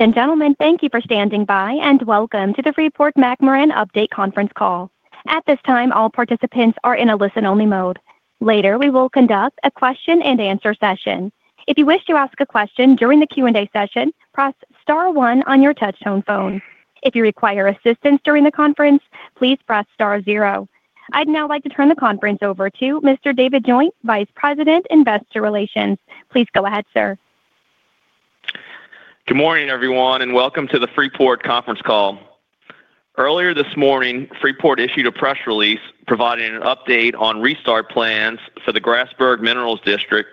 Ladies and gentlemen, thank you for standing by, and welcome to the Freeport-McMoRan Update Conference Call. At this time, all participants are in a listen-only mode. Later, we will conduct a question-and-answer session. If you wish to ask a question during the Q&A session, press star one on your touch-tone phone. If you require assistance during the conference, please press star zero. I'd now like to turn the conference over to Mr. David Joint, Vice President, Investor Relations. Please go ahead, sir. Good morning, everyone, and welcome to the Freeport Conference Call. Earlier this morning, Freeport issued a press release providing an update on restart plans for the Grasberg Minerals District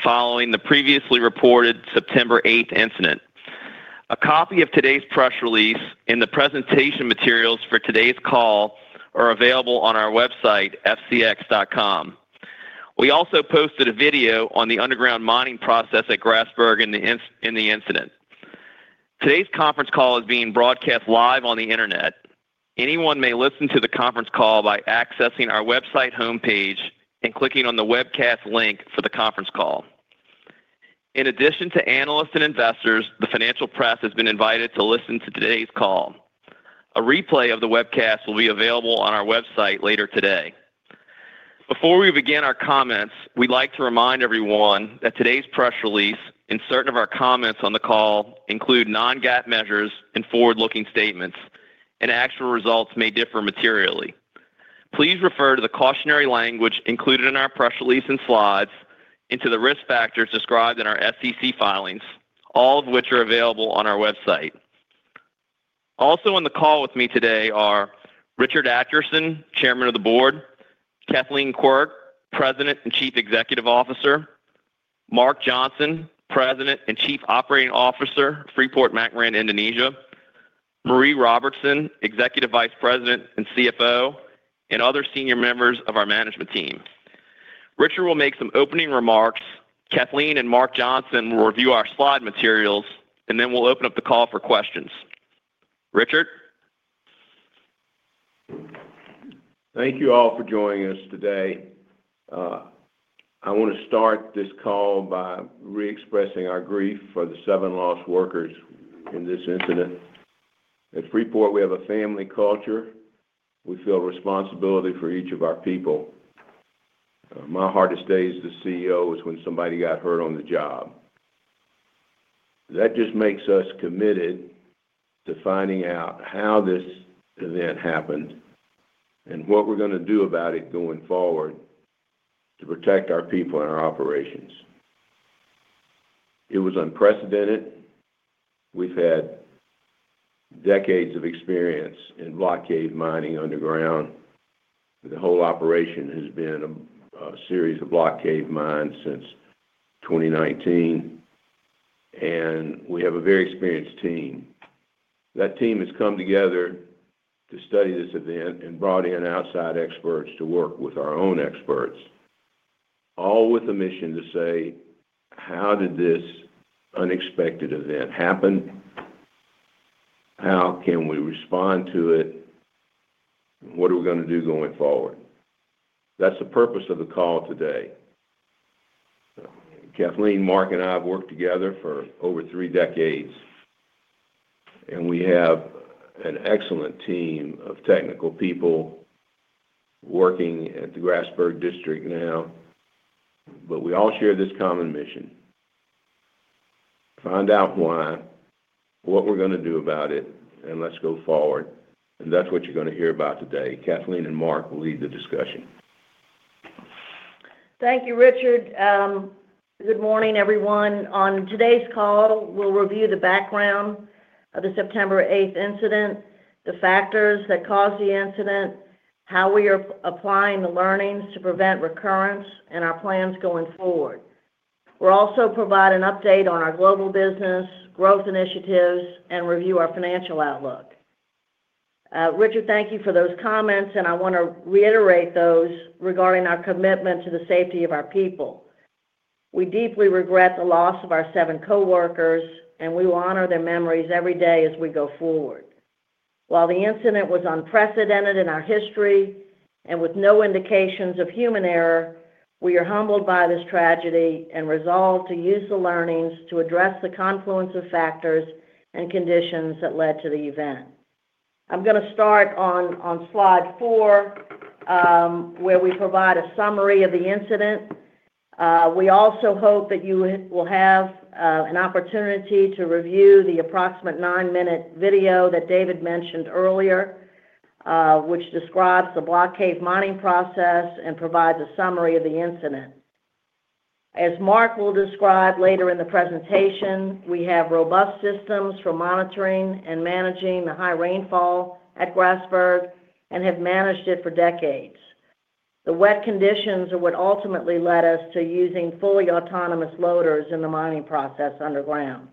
following the previously reported September 8th incident. A copy of today's press release and the presentation materials for today's call are available on our website, fcx.com. We also posted a video on the underground mining process at Grasberg and the incident. Today's conference call is being broadcast live on the internet. Anyone may listen to the conference call by accessing our website homepage and clicking on the webcast link for the conference call. In addition to analysts and investors, the financial press has been invited to listen to today's call. A replay of the webcast will be available on our website later today. Before we begin our comments, we'd like to remind everyone that today's press release and certain of our comments on the call include non-GAAP measures and forward-looking statements, and actual results may differ materially. Please refer to the cautionary language included in our press release and slides and to the risk factors described in our SEC filings, all of which are available on our website. Also on the call with me today are Richard Adkerson, Chairman of the Board; Kathleen Quirk, President and Chief Executive Officer; Mark Johnson, President and Chief Operating Officer, Freeport-McMoRan Indonesia; Maree Robertson, Executive Vice President and CFO; and other senior members of our management team. Richard will make some opening remarks. Kathleen and Mark Johnson will review our slide materials, and then we'll open up the call for questions. Richard? Thank you all for joining us today. I want to start this call by re-expressing our grief for the seven lost workers in this incident. At Freeport-McMoRan, we have a family culture. We feel responsibility for each of our people. My hardest days as the CEO was when somebody got hurt on the job. That just makes us committed to finding out how this event happened and what we're going to do about it going forward to protect our people and our operations. It was unprecedented. We've had decades of experience in block cave mining underground. The whole operation has been a series of block cave mines since 2019, and we have a very experienced team. That team has come together to study this event and brought in outside experts to work with our own experts, all with a mission to say, "How did this unexpected event happen? How can we respond to it? What are we going to do going forward? That is the purpose of the call today. Kathleen, Mark, and I have worked together for over three decades, and we have an excellent team of technical people working at the Grasberg District now, but we all share this common mission: find out why, what we are going to do about it, and let us go forward. That is what you are going to hear about today. Kathleen and Mark will lead the discussion. Thank you, Richard. Good morning, everyone. On today's call, we'll review the background of the September 8th incident, the factors that caused the incident, how we are applying the learnings to prevent recurrence, and our plans going forward. We'll also provide an update on our global business, growth initiatives, and review our financial outlook. Richard, thank you for those comments, and I want to reiterate those regarding our commitment to the safety of our people. We deeply regret the loss of our seven coworkers, and we will honor their memories every day as we go forward. While the incident was unprecedented in our history and with no indications of human error, we are humbled by this tragedy and resolved to use the learnings to address the confluence of factors and conditions that led to the event. I'm going to start on slide four, where we provide a summary of the incident. We also hope that you will have an opportunity to review the approximate nine-minute video that David mentioned earlier, which describes the block-cave mining process and provides a summary of the incident. As Mark will describe later in the presentation, we have robust systems for monitoring and managing the high rainfall at Grasberg and have managed it for decades. The wet conditions are what ultimately led us to using fully autonomous loaders in the mining process underground.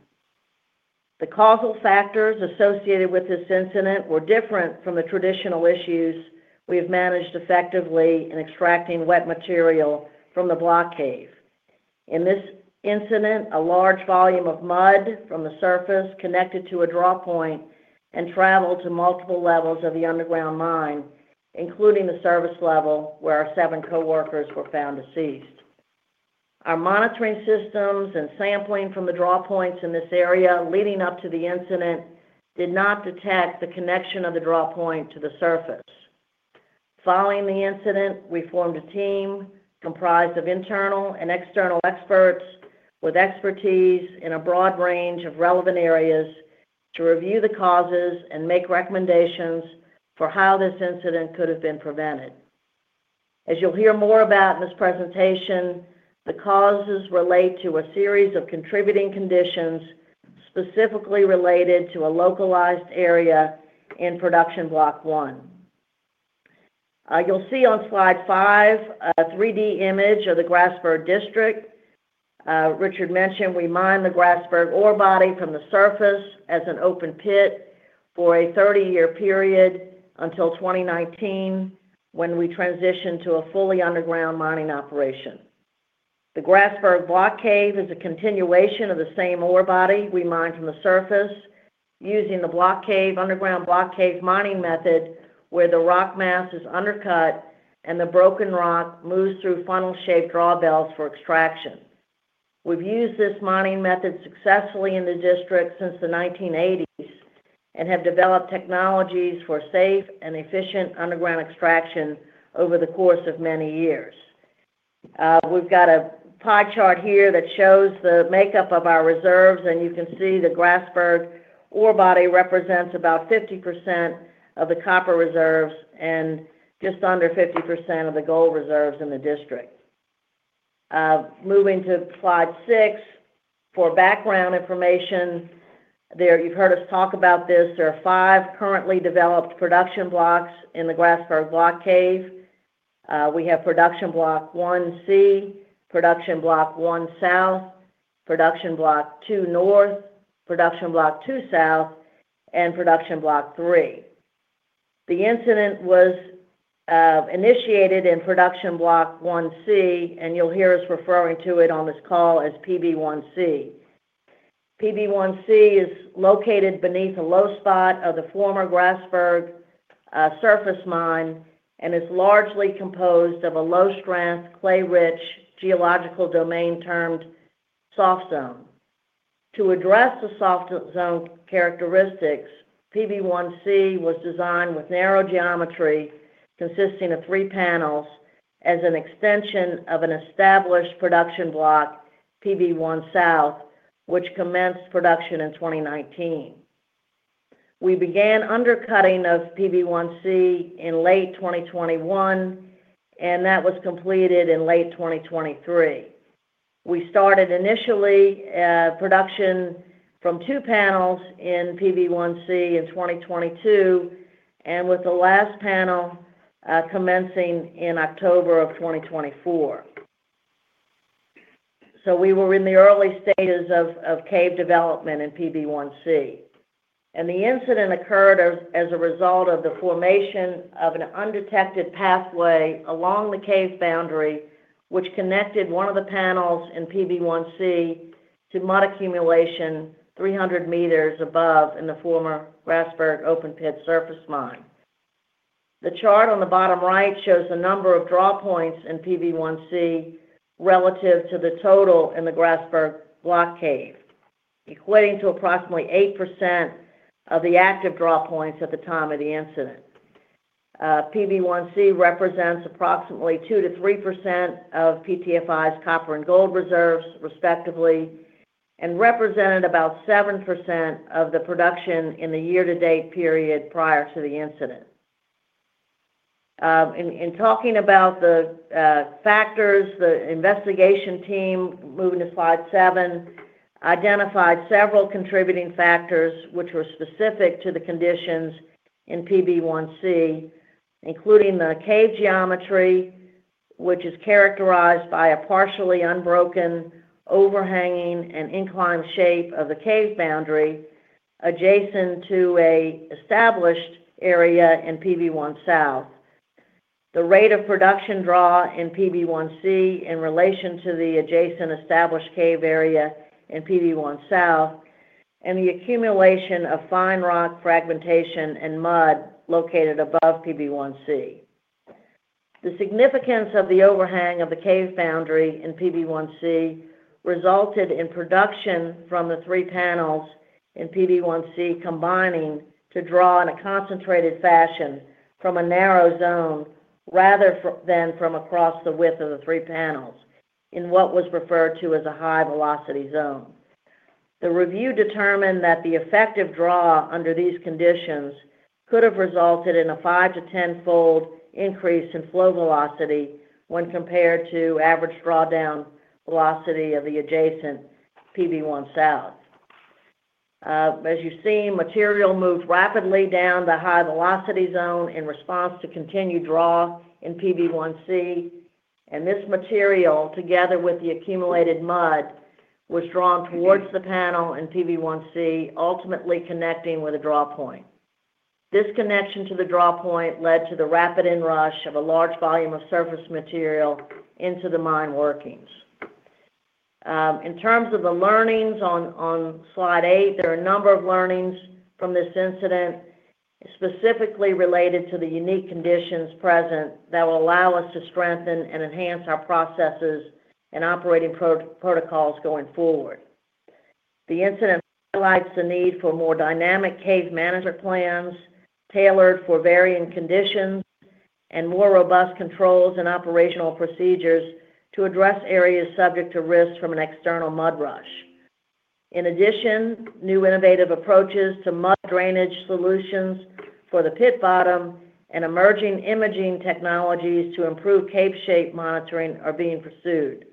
The causal factors associated with this incident were different from the traditional issues we have managed effectively in extracting wet material from the block cave. In this incident, a large volume of mud from the surface connected to a draw point and traveled to multiple levels of the underground mine, including the surface level where our seven coworkers were found deceased. Our monitoring systems and sampling from the draw points in this area leading up to the incident did not detect the connection of the draw point to the surface. Following the incident, we formed a team comprised of internal and external experts with expertise in a broad range of relevant areas to review the causes and make recommendations for how this incident could have been prevented. As you'll hear more about in this presentation, the causes relate to a series of contributing conditions specifically related to a localized area in production block one. You'll see on slide five a 3D image of the Grasberg Minerals District. Richard mentioned we mined the Grasberg ore body from the surface as an open pit for a 30-year period until 2019 when we transitioned to a fully underground mining operation. The Grasberg Block Cave is a continuation of the same ore body we mined from the surface using the underground block cave mining method where the rock mass is undercut and the broken rock moves through funnel-shaped drawbells for extraction. We've used this mining method successfully in the district since the 1980s and have developed technologies for safe and efficient underground extraction over the course of many years. We've got a pie chart here that shows the makeup of our reserves, and you can see the Grasberg ore body represents about 50% of the copper reserves and just under 50% of the gold reserves in the district. Moving to slide six, for background information, you've heard us talk about this. There are five currently developed production blocks in the Grasberg Block Cave. We have production block one C, production block one south, production block two north, production block two south, and production block three. The incident was initiated in production block one C, and you'll hear us referring to it on this call as PB1C. PB1C is located beneath a low spot of the former Grasberg surface mine and is largely composed of a low-strength, clay-rich geological domain termed soft zone. To address the soft zone characteristics, PB1C was designed with narrow geometry consisting of three panels as an extension of an established production block, PB1 south, which commenced production in 2019. We began undercutting of PB1C in late 2021, and that was completed in late 2023. We started initial production from two panels in PB1C in 2022, and with the last panel commencing in October of 2024. We were in the early stages of cave development in PB1C. The incident occurred as a result of the formation of an undetected pathway along the cave boundary, which connected one of the panels in PB1C to mud accumulation 300 meters above in the former Grasberg open pit surface mine. The chart on the bottom right shows the number of draw points in PB1C relative to the total in the Grasberg Block Cave, equating to approximately 8% of the active draw points at the time of the incident. PB1C represents approximately 2-3% of PT Freeport Indonesia's copper and gold reserves, respectively, and represented about 7% of the production in the year-to-date period prior to the incident. In talking about the factors, the investigation team, moving to slide seven, identified several contributing factors which were specific to the conditions in PB1C, including the cave geometry, which is characterized by a partially unbroken, overhanging, and inclined shape of the cave boundary adjacent to an established area in PB1 South, the rate of production draw in PB1C in relation to the adjacent established cave area in PB1 South, and the accumulation of fine rock fragmentation and mud located above PB1C. The significance of the overhang of the cave boundary in PB1C resulted in production from the three panels in PB1C combining to draw in a concentrated fashion from a narrow zone rather than from across the width of the three panels in what was referred to as a high-velocity zone. The review determined that the effective draw under these conditions could have resulted in a 5-10-fold increase in flow velocity when compared to average drawdown velocity of the adjacent PB1 South. As you see, material moved rapidly down the high-velocity zone in response to continued draw in PB1C, and this material, together with the accumulated mud, was drawn towards the panel in PB1C, ultimately connecting with a draw point. This connection to the draw point led to the rapid inrush of a large volume of surface material into the mine workings. In terms of the learnings on slide eight, there are a number of learnings from this incident specifically related to the unique conditions present that will allow us to strengthen and enhance our processes and operating protocols going forward. The incident highlights the need for more dynamic cave management plans tailored for varying conditions and more robust controls and operational procedures to address areas subject to risk from an external mud rush. In addition, new innovative approaches to mud drainage solutions for the pit bottom and emerging imaging technologies to improve cave shape monitoring are being pursued.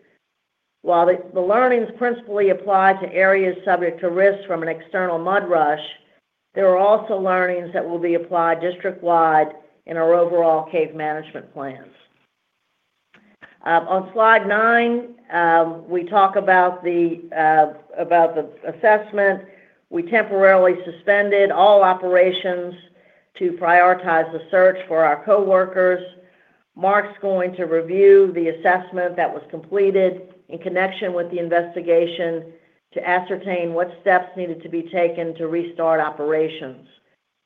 While the learnings principally apply to areas subject to risk from an external mud-rush, there are also learnings that will be applied district-wide in our overall cave management plans. On slide nine, we talk about the assessment. We temporarily suspended all operations to prioritize the search for our coworkers. Mark's going to review the assessment that was completed in connection with the investigation to ascertain what steps needed to be taken to restart operations.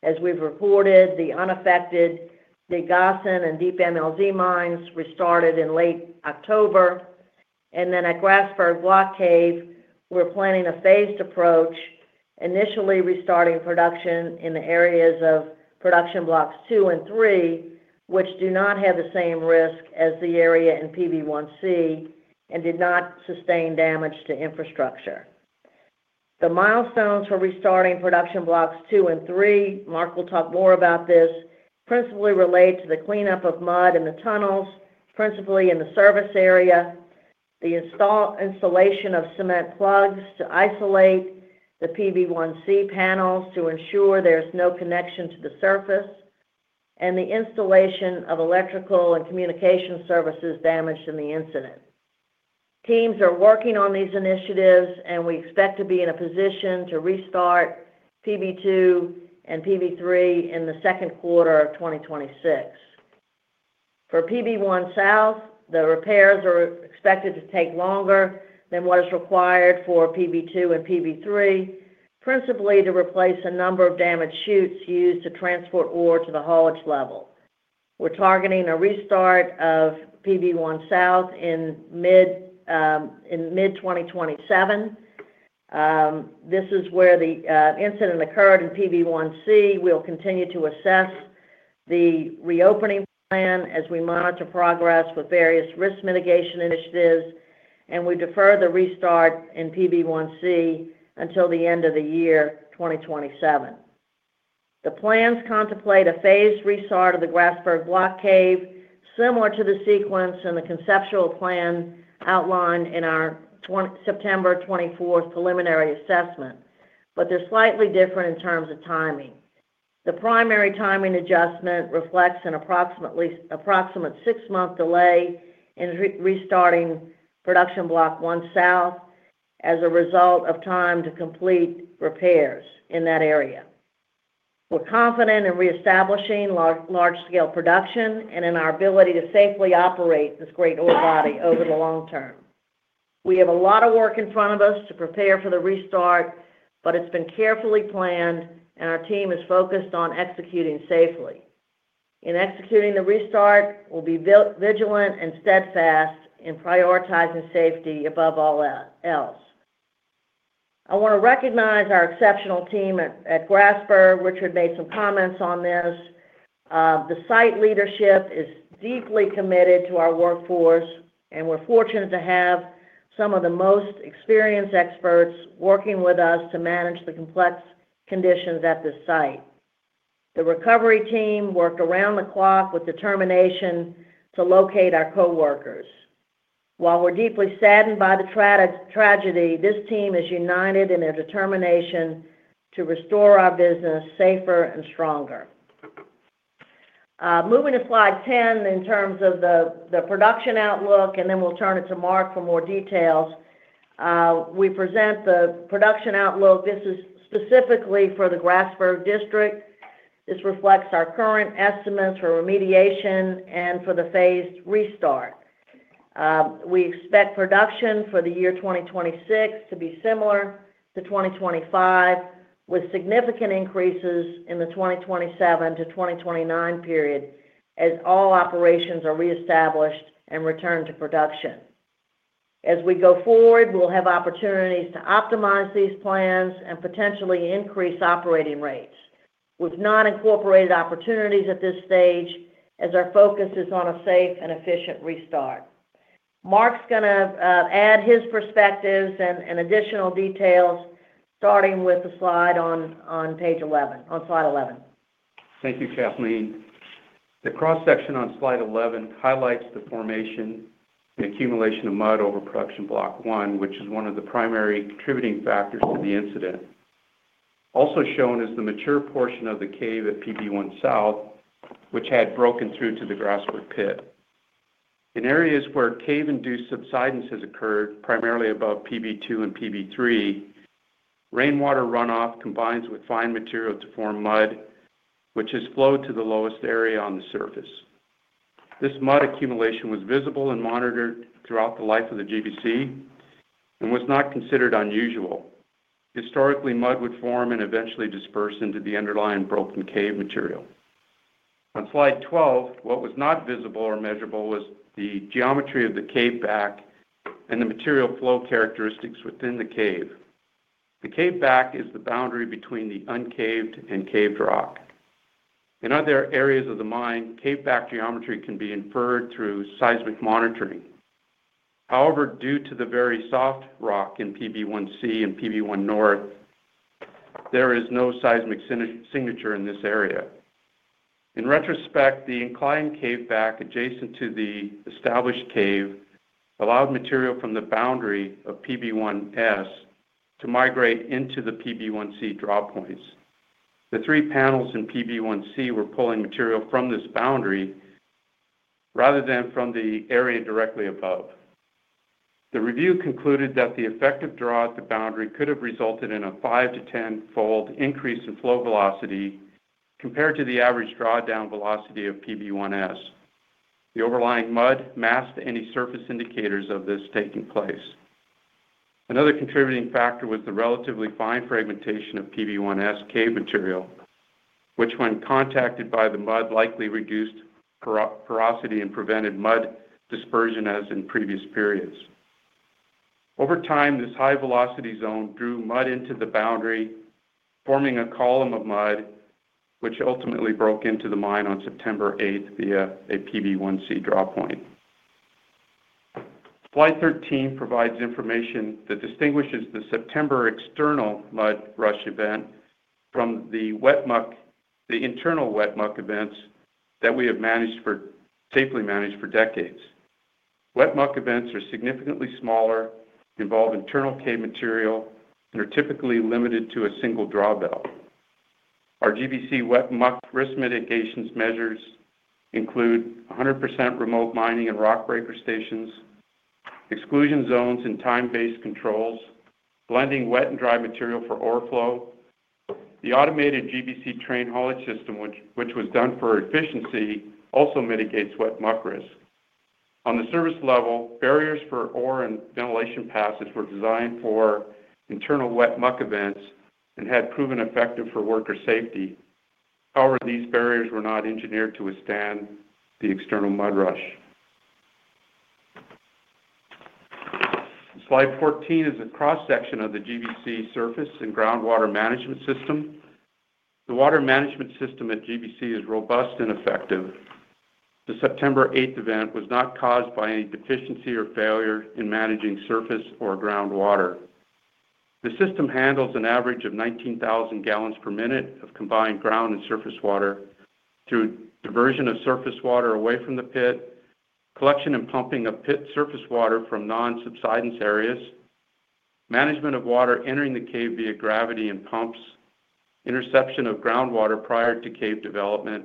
As we've reported, the unaffected Big Gossan and Deep MLZ mines restarted in late October. At Grasberg Block Cave, we're planning a phased approach, initially restarting production in the areas of production blocks two and three, which do not have the same risk as the area in PB1C and did not sustain damage to infrastructure. The milestones for restarting production blocks two and three, Mark will talk more about this, principally relate to the cleanup of mud in the tunnels, principally in the service area, the installation of cement plugs to isolate the PB1C panels to ensure there's no connection to the surface, and the installation of electrical and communication services damaged in the incident. Teams are working on these initiatives, and we expect to be in a position to restart PB2 and PB3 in the second quarter of 2026. For PB1 south, the repairs are expected to take longer than what is required for PB2 and PB3, principally to replace a number of damaged chutes used to transport ore to the haulage level. We're targeting a restart of PB1 south in mid-2027. This is where the incident occurred in PB1C. We'll continue to assess the reopening plan as we monitor progress with various risk mitigation initiatives, and we defer the restart in PB1C until the end of the year 2027. The plans contemplate a phased restart of the Grasberg Block Cave, similar to the sequence and the conceptual plan outlined in our September 24th preliminary assessment, but they're slightly different in terms of timing. The primary timing adjustment reflects an approximate six-month delay in restarting production block one south as a result of time to complete repairs in that area. We're confident in re-establishing large-scale production and in our ability to safely operate this great ore body over the long term. We have a lot of work in front of us to prepare for the restart, but it's been carefully planned, and our team is focused on executing safely. In executing the restart, we' ll be vigilant and steadfast in prioritizing safety above all else. I want to recognize our exceptional team at Grasberg. Richard made some comments on this. The site leadership is deeply committed to our workforce, and we're fortunate to have some of the most experienced experts working with us to manage the complex conditions at this site. The recovery team worked around the clock with determination to locate our coworkers. While we're deeply saddened by the tragedy, this team is united in their determination to restore our business safer and stronger. Moving to slide 10 in terms of the production outlook, and then we'll turn it to Mark for more details. We present the production outlook. This is specifically for the Grasberg district. This reflects our current estimates for remediation and for the phased restart. We expect production for the year 2026 to be similar to 2025, with significant increases in the 2027-2029 period as all operations are reestablished and returned to production. As we go forward, we'll have opportunities to optimize these plans and potentially increase operating rates, with not incorporated opportunities at this stage as our focus is on a safe and efficient restart. Mark's going to add his perspectives and additional details starting with the slide on page 11, on slide 11. Thank you, Kathleen. The cross-section on slide 11 highlights the formation, the accumulation of mud over production block one, which is one of the primary contributing factors to the incident. Also shown is the mature portion of the cave at PB1 south, which had broken through to the Grasberg pit. In areas where cave-induced subsidence has occurred, primarily above PB2 and PB3, rainwater runoff combines with fine material to form mud, which has flowed to the lowest area on the surface. This mud accumulation was visible and monitored throughout the life of the GBC and was not considered unusual. Historically, mud would form and eventually disperse into the underlying broken cave material. On slide 12, what was not visible or measurable was the geometry of the cave back and the material flow characteristics within the cave. The cave back is the boundary between the uncaved and caved rock. In other areas of the mine, cave back geometry can be inferred through seismic monitoring. However, due to the very soft rock in PB1C and PB1 North, there is no seismic signature in this area. In retrospect, the inclined cave back adjacent to the established cave allowed material from the boundary of PB1S to migrate into the PB1C draw points. The three panels in PB1C were pulling material from this boundary rather than from the area directly above. The review concluded that the effective draw at the boundary could have resulted in a 5-10-fold increase in flow velocity compared to the average drawdown velocity of PB1S. The overlying mud masked any surface indicators of this taking place. Another contributing factor was the relatively fine fragmentation of PB1S cave material, which, when contacted by the mud, likely reduced porosity and prevented mud dispersion as in previous periods. Over time, this high-velocity zone drew mud into the boundary, forming a column of mud, which ultimately broke into the mine on September 8 via a PB1C draw point. Slide 13 provides information that distinguishes the September external mud-rush event from the internal wet muck events that we have safely managed for decades. Wet muck events are significantly smaller, involve internal cave material, and are typically limited to a single draw-bell. Our GBC wet muck risk mitigation measures include 100% remote mining and rock breaker stations, exclusion zones and time-based controls, blending wet and dry material for ore flow. The automated GBC train haulage system, which was done for efficiency, also mitigates wet muck risk. On the service level, barriers for ore and ventilation passes were designed for internal wet muck events and had proven effective for worker safety. However, these barriers were not engineered to withstand the external mud rush. Slide 14 is a cross-section of the GBC surface and groundwater management system. The water management system at GBC is robust and effective. The September 8th event was not caused by any deficiency or failure in managing surface or groundwater. The system handles an average of 19,000 gal per minute of combined ground and surface water through diversion of surface water away from the pit, collection and pumping of pit surface water from non-subsidence areas, management of water entering the cave via gravity and pumps, interception of groundwater prior to cave development,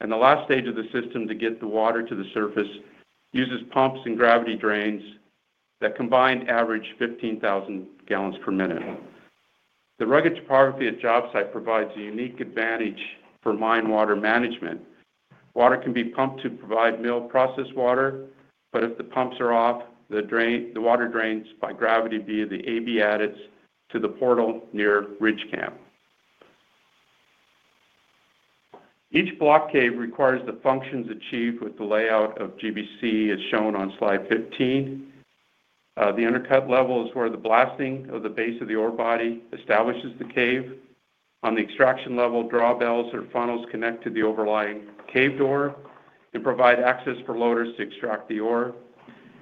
and the last stage of the system to get the water to the surface uses pumps and gravity drains that combined average 15,000 gal per minute. The rugged topography at job site provides a unique advantage for mine water management. Water can be pumped to provide mill process water, but if the pumps are off, the water drains by gravity via the AB adits to the portal near Ridge Camp. Each block cave requires the functions achieved with the layout of GBC as shown on slide 15. The undercut level is where the blasting of the base of the ore body establishes the cave. On the extraction level, drawbells or funnels connect to the overlying cave door and provide access for loaders to extract the ore.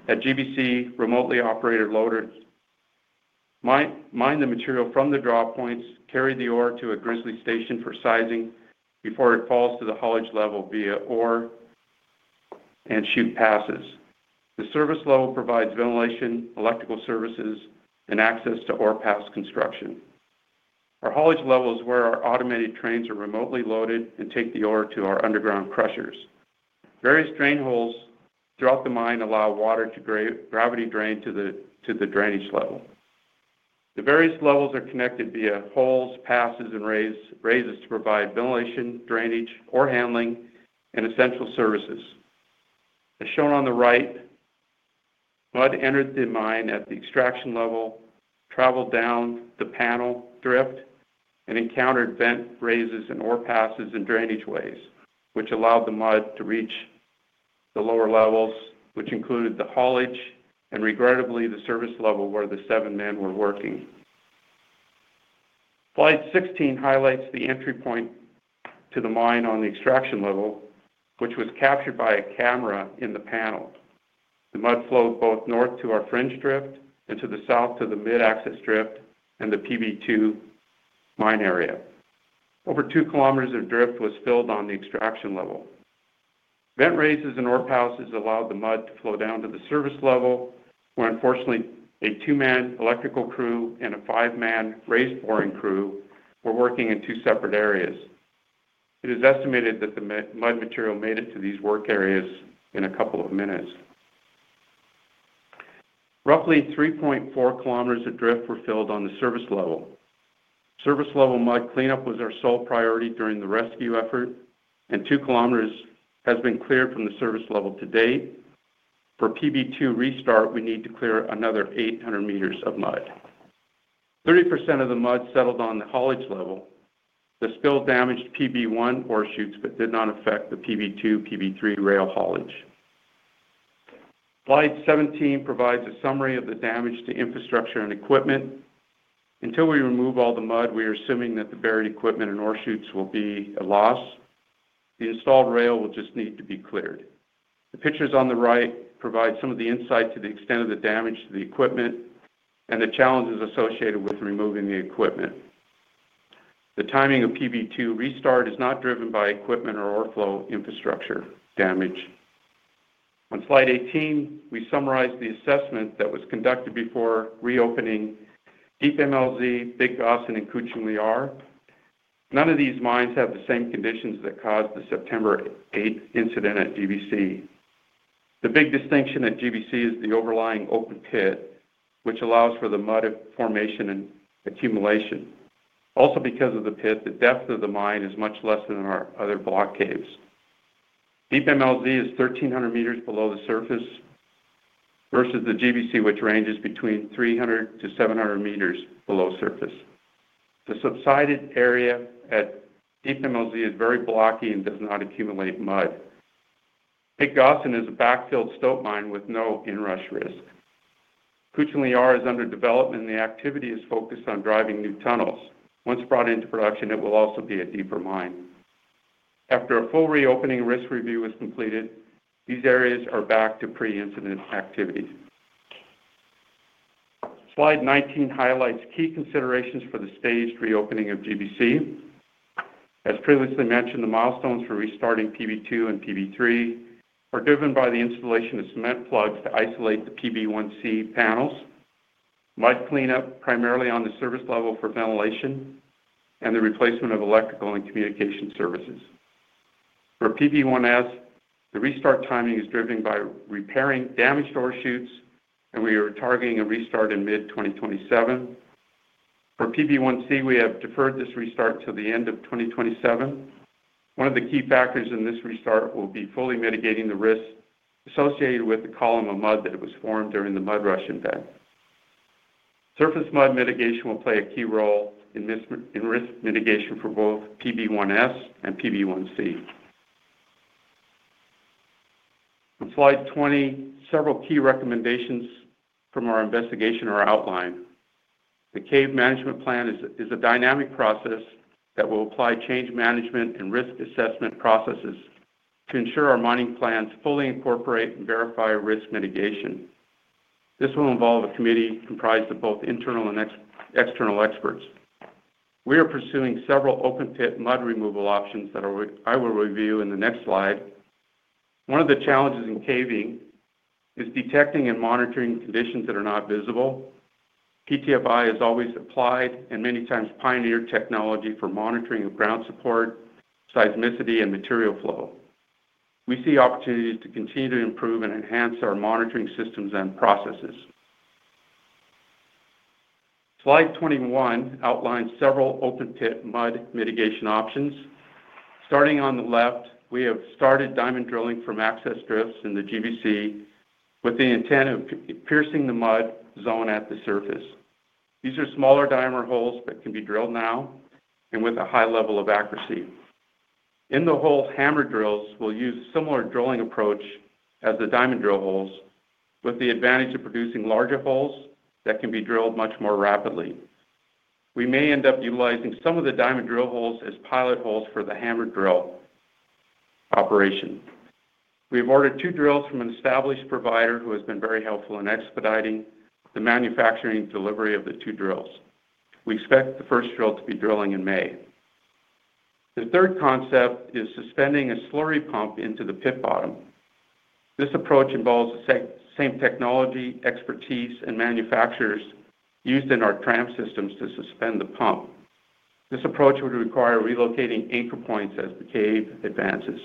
At GBC, remotely operated loaders mine the material from the draw points, carry the ore to a grizzly station for sizing before it falls to the haulage level via ore and chute passes. The service level provides ventilation, electrical services, and access to ore pass construction. Our hollows level is where our automated trains are remotely loaded and take the ore to our underground crushers. Various drain holes throughout the mine allow water to gravity drain to the drainage level. The various levels are connected via holes, passes, and raises to provide ventilation, drainage, ore handling, and essential services. As shown on the right, mud entered the mine at the extraction level, traveled down the panel drift, and encountered vent raises and ore passes and drainage ways, which allowed the mud to reach the lower levels, which included the hollows and regardedly the service level where the seven men were working. Slide 16 highlights the entry point to the mine on the extraction level, which was captured by a camera in the panel. The mud flowed both north to our fringe drift and to the south to the mid-axis drift and the PB2 mine area. Over 2 km of drift was filled on the extraction level. Vent raises and ore passes allowed the mud to flow down to the service level where, unfortunately, a two-man electrical crew and a five-man raised boring crew were working in two separate areas. It is estimated that the mud material made it to these work areas in a couple of minutes. Roughly 3.4 km of drift were filled on the service level. Service level mud cleanup was our sole priority during the rescue effort, and 2 km has been cleared from the service level to date. For PB2 restart, we need to clear another 800 meters of mud. 30% of the mud settled on the hollows level. The spill damaged PB1 ore chutes, but did not affect the PB2, PB3 rail hollows. Slide 17 provides a summary of the damage to infrastructure and equipment. Until we remove all the mud, we are assuming that the buried equipment and ore chutes will be at loss. The installed rail will just need to be cleared. The pictures on the right provide some of the insight to the extent of the damage to the equipment and the challenges associated with removing the equipment. The timing of PB2 restart is not driven by equipment or ore flow infrastructure damage. On slide 18, we summarize the assessment that was conducted before reopening Deep MLZ, Big Gossan, and Kuchko Liar. None of these mines have the same conditions that caused the September 8th incident at GBC. The big distinction at GBC is the overlying open pit, which allows for the mud formation and accumulation. Also, because of the pit, the depth of the mine is much less than our other block caves. Deep MLZ is 1,300 meters below the surface versus the GBC, which ranges between 300-700 meters below surface. The subsided area at Deep MLZ is very blocky and does not accumulate mud. Big Gossan is a backfilled stope mine with no inrush risk. Kuchko Liar is under development, and the activity is focused on driving new tunnels. Once brought into production, it will also be a deeper mine. After a full reopening risk review was completed, these areas are back to pre-incident activity. Slide 19 highlights key considerations for the staged reopening of GBC. As previously mentioned, the milestones for restarting PB2 and PB3 are driven by the installation of cement plugs to isolate the PB1C panels, mud cleanup primarily on the service level for ventilation, and the replacement of electrical and communication services. For PB1S, the restart timing is driven by repairing damaged ore chutes, and we are targeting a restart in mid-2027. For PB1C, we have deferred this restart to the end of 2027. One of the key factors in this restart will be fully mitigating the risk associated with the column of mud that was formed during the mud rush event. Surface mud mitigation will play a key role in risk mitigation for both PB1S and PB1C. On slide 20, several key recommendations from our investigation are outlined. The cave management plan is a dynamic process that will apply change management and risk assessment processes to ensure our mining plans fully incorporate and verify risk mitigation. This will involve a committee comprised of both internal and external experts. We are pursuing several open pit mud removal options that I will review in the next slide. One of the challenges in caving is detecting and monitoring conditions that are not visible. PTFI has always applied and many times pioneered technology for monitoring of ground support, seismicity, and material flow. We see opportunities to continue to improve and enhance our monitoring systems and processes. Slide 21 outlines several open pit mud mitigation options. Starting on the left, we have started diamond drilling from access drifts in the GBC with the intent of piercing the mud zone at the surface. These are smaller diamond holes that can be drilled now and with a high level of accuracy. In the hole, hammer drills will use a similar drilling approach as the diamond drill holes, with the advantage of producing larger holes that can be drilled much more rapidly. We may end up utilizing some of the diamond drill holes as pilot holes for the hammer drill operation. We have ordered two drills from an established provider who has been very helpful in expediting the manufacturing delivery of the two drills. We expect the first drill to be drilling in May. The third concept is suspending a slurry pump into the pit bottom. This approach involves the same technology, expertise, and manufacturers used in our tram systems to suspend the pump. This approach would require relocating anchor points as the cave advances.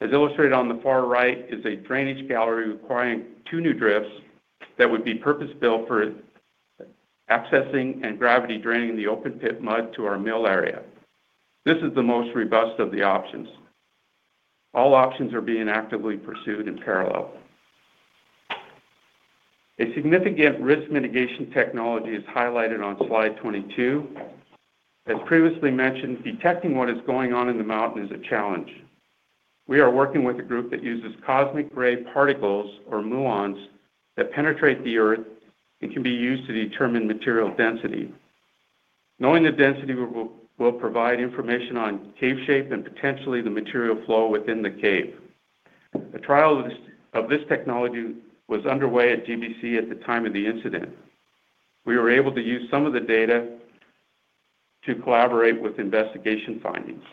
As illustrated on the far right, is a drainage gallery requiring two new drifts that would be purpose-built for accessing and gravity draining the open pit mud to our mill area. This is the most robust of the options. All options are being actively pursued in parallel. A significant risk mitigation technology is highlighted on slide 22. As previously mentioned, detecting what is going on in the mountain is a challenge. We are working with a group that uses cosmic ray particles or Muons that penetrate the earth and can be used to determine material density. Knowing the density will provide information on cave shape and potentially the material flow within the cave. A trial of this technology was underway at GBC at the time of the incident. We were able to use some of the data to collaborate with investigation findings.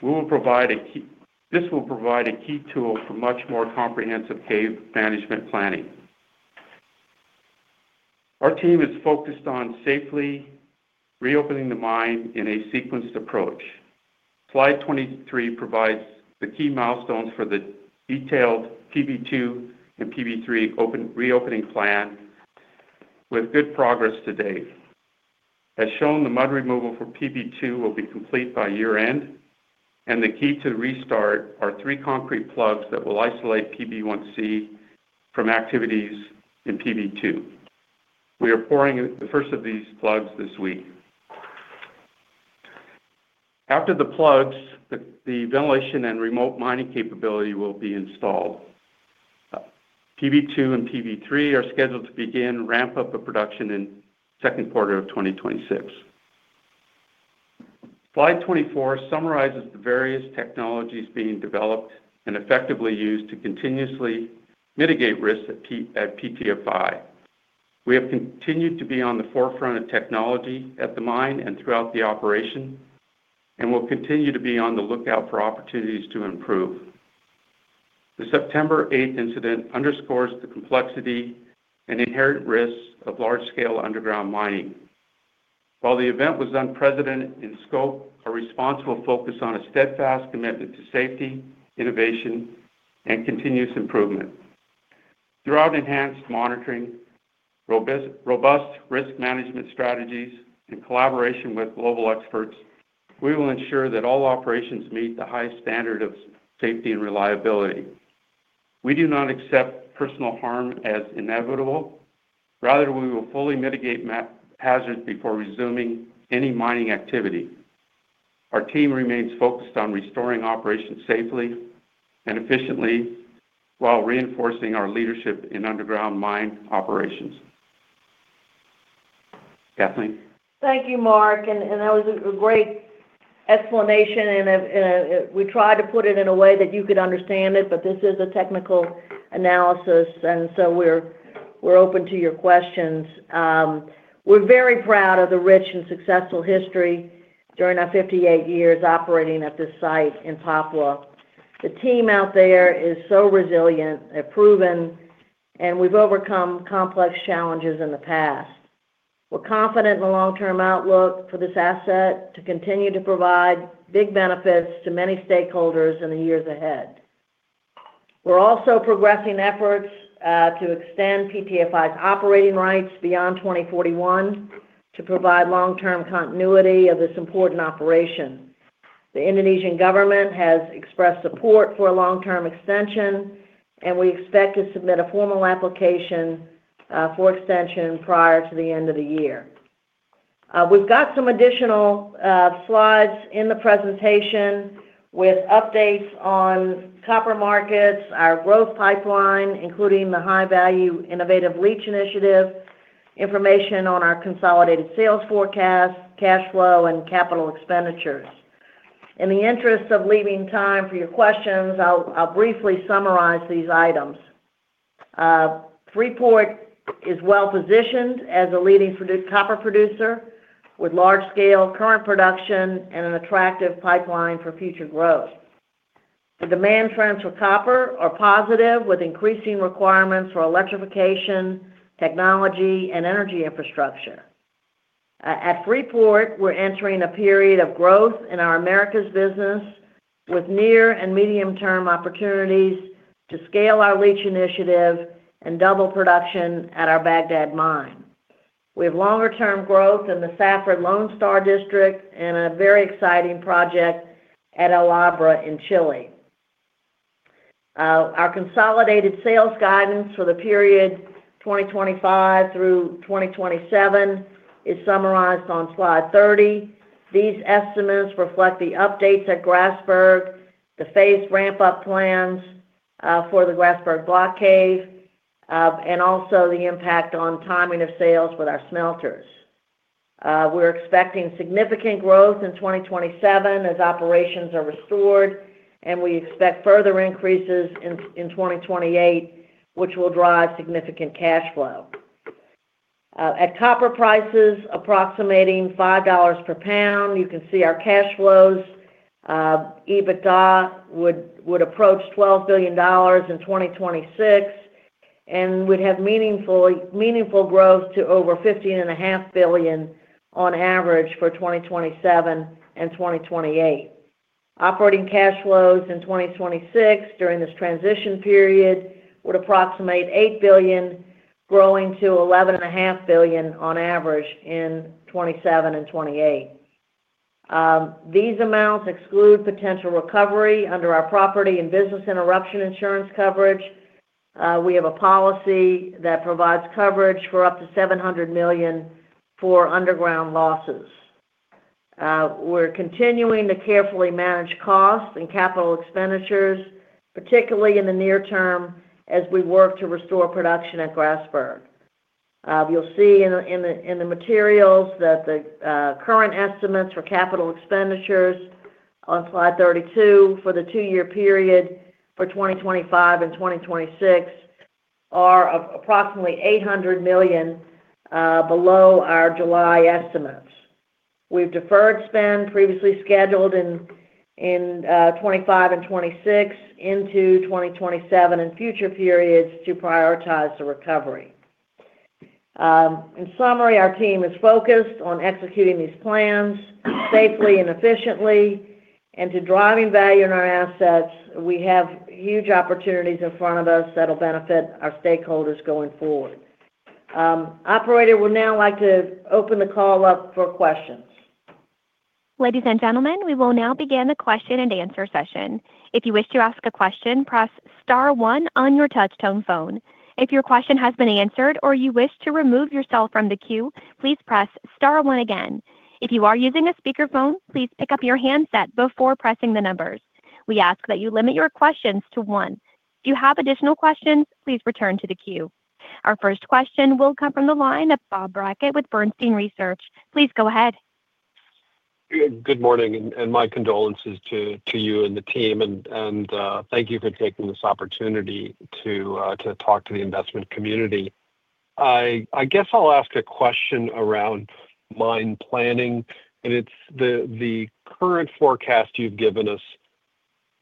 This will provide a key tool for much more comprehensive cave management planning. Our team is focused on safely reopening the mine in a sequenced approach. Slide 23 provides the key milestones for the detailed PB2 and PB3 reopening plan with good progress to date. As shown, the mud removal for PB2 will be complete by year-end, and the key to restart are three concrete plugs that will isolate PB1C from activities in PB2. We are pouring the first of these plugs this week. After the plugs, the ventilation and remote mining capability will be installed. PB2 and PB3 are scheduled to begin ramp-up of production in the second quarter of 2026. Slide 24 summarizes the various technologies being developed and effectively used to continuously mitigate risk at PTFI. We have continued to be on the forefront of technology at the mine and throughout the operation, and we'll continue to be on the lookout for opportunities to improve. The September 8th incident underscores the complexity and inherent risks of large-scale underground mining. While the event was unprecedented in scope, our response will focus on a steadfast commitment to safety, innovation, and continuous improvement. Through enhanced monitoring, robust risk management strategies, and collaboration with global experts, we will ensure that all operations meet the highest standard of safety and reliability. We do not accept personal harm as inevitable. Rather, we will fully mitigate hazards before resuming any mining activity. Our team remains focused on restoring operations safely and efficiently while reinforcing our leadership in underground mine operations. Kathleen. Thank you, Mark. That was a great explanation. We tried to put it in a way that you could understand it, but this is a technical analysis, and we are open to your questions. We are very proud of the rich and successful history during our 58 years operating at this site in Poplar. The team out there is so resilient and proven, and we have overcome complex challenges in the past. We are confident in the long-term outlook for this asset to continue to provide big benefits to many stakeholders in the years ahead. We're also progressing efforts to extend PT FI's operating rights beyond 2041 to provide long-term continuity of this important operation. The Indonesian government has expressed support for a long-term extension, and we expect to submit a formal application for extension prior to the end of the year. We've got some additional slides in the presentation with updates on copper markets, our growth pipeline, including the high-value innovative leach initiative, information on our consolidated sales forecast, cash flow, and capital expenditures. In the interest of leaving time for your questions, I'll briefly summarize these items. Freeport is well-positioned as a leading copper producer with large-scale current production and an attractive pipeline for future growth. The demand trends for copper are positive, with increasing requirements for electrification, technology, and energy infrastructure. At Freeport, we're entering a period of growth in our Americas business with near and medium-term opportunities to scale our leach initiative and double production at our Bagdad mine. We have longer-term growth in the Safford-Lone Star District and a very exciting project at El Abra in Chile. Our consolidated sales guidance for the period 2025 through 2027 is summarized on slide 30. These estimates reflect the updates at Grasberg, the phased ramp-up plans for the Grasberg Block Cave, and also the impact on timing of sales with our smelters. We're expecting significant growth in 2027 as operations are restored, and we expect further increases in 2028, which will drive significant cash flow. At copper prices approximating $5 per GBP, you can see our cash flows. EBITDA would approach $12 billion in 2026 and would have meaningful growth to over $15.5 billion on average for 2027 and 2028. Operating cash flows in 2026 during this transition period would approximate $8 billion, growing to $11.5 billion on average in 2027 and 2028. These amounts exclude potential recovery under our property and business interruption insurance coverage. We have a policy that provides coverage for up to $700 million for underground losses. We're continuing to carefully manage costs and capital expenditures, particularly in the near term as we work to restore production at Grasberg. You'll see in the materials that the current estimates for capital expenditures on slide 32 for the two-year period for 2025 and 2026 are approximately $800 million below our July estimates. We've deferred spend previously scheduled in 2025 and 2026 into 2027 and future periods to prioritize the recovery. In summary, our team is focused on executing these plans safely and efficiently and to drive value in our assets. We have huge opportunities in front of us that will benefit our stakeholders going forward. Operator, we'd now like to open the call up for questions. Ladies and gentlemen, we will now begin the question and answer session. If you wish to ask a question, press Star 1 on your touch-tone phone. If your question has been answered or you wish to remove yourself from the queue, please press Star 1 again. If you are using a speakerphone, please pick up your handset before pressing the numbers. We ask that you limit your questions to one. If you have additional questions, please return to the queue. Our first question will come from the line of Bob Brackett with Bernstein Research. Please go ahead. Good morning, and my condolences to you and the team. Thank you for taking this opportunity to talk to the investment community. I guess I'll ask a question around mine planning, and it's the current forecast you've given us.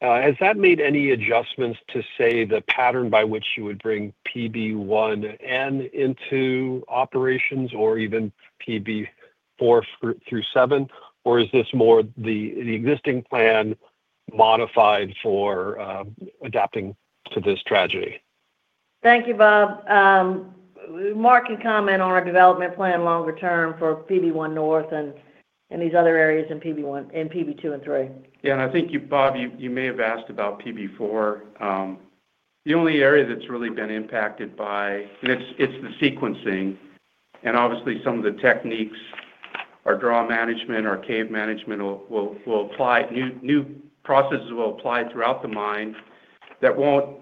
Has that made any adjustments to, say, the pattern by which you would bring PB1N into operations or even PB4 through 7? Or is this more the existing plan modified for adapting to this tragedy? Thank you, Bob. Mark can comment on our development plan longer term for PB1 North and these other areas in PB2 and 3. Yeah. I think, Bob, you may have asked about PB4. The only area that's really been impacted by, and it's the sequencing. Obviously, some of the techniques, our draw management, our cave management, will apply. New processes will apply throughout the mine that won't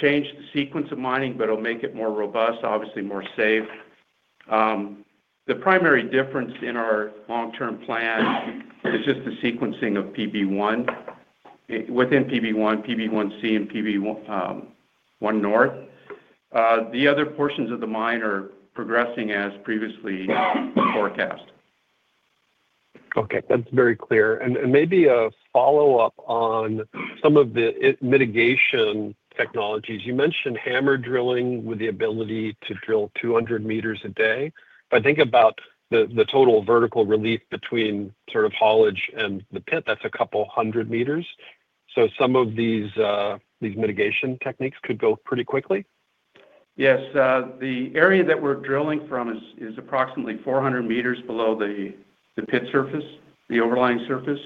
change the sequence of mining, but it'll make it more robust, obviously more safe. The primary difference in our long-term plan is just the sequencing of PB1 within PB1, PB1C, and PB1 North. The other portions of the mine are progressing as previously forecast. Okay. That is very clear. Maybe a follow-up on some of the mitigation technologies. You mentioned hammer drilling with the ability to drill 200 meters a day. If I think about the total vertical relief between sort of haulage and the pit, that is a couple hundred meters. Some of these mitigation techniques could go pretty quickly? Yes. The area that we are drilling from is approximately 400 meters below the pit surface, the overlying surface.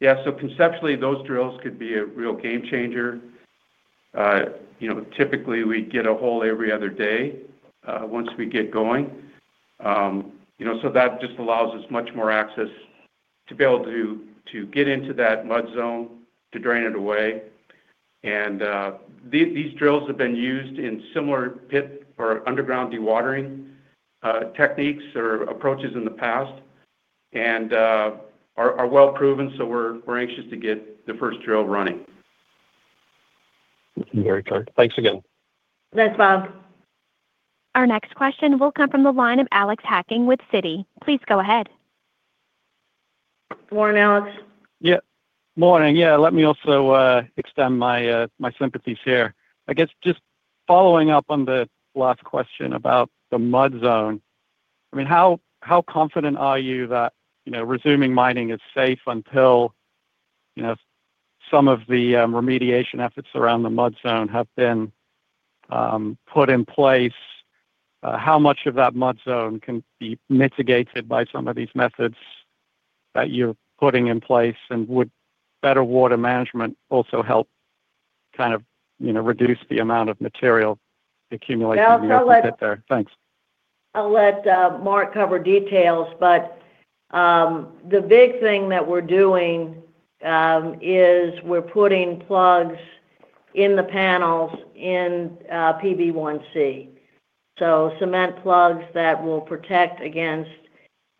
Yeah. Conceptually, those drills could be a real game changer. Typically, we get a hole every other day once we get going. That just allows us much more access to be able to get into that mud zone to drain it away. These drills have been used in similar pit or underground dewatering techniques or approaches in the past and are well proven, so we're anxious to get the first drill running. Very clear. Thanks again. Thanks, Bob. Our next question will come from the line of Alex Hacking with Citi. Please go ahead. Morning, Alex. Yeah. Morning. Yeah. Let me also extend my sympathies here. I guess just following up on the last question about the mud zone, I mean, how confident are you that resuming mining is safe until some of the remediation efforts around the mud zone have been put in place? How much of that mud zone can be mitigated by some of these methods that you're putting in place? And would better water management also help kind of reduce the amount of material accumulation we have to sit there? Thanks. I'll let Mark cover details, but the big thing that we're doing is we're putting plugs in the panels in PB1C, so cement plugs that will protect against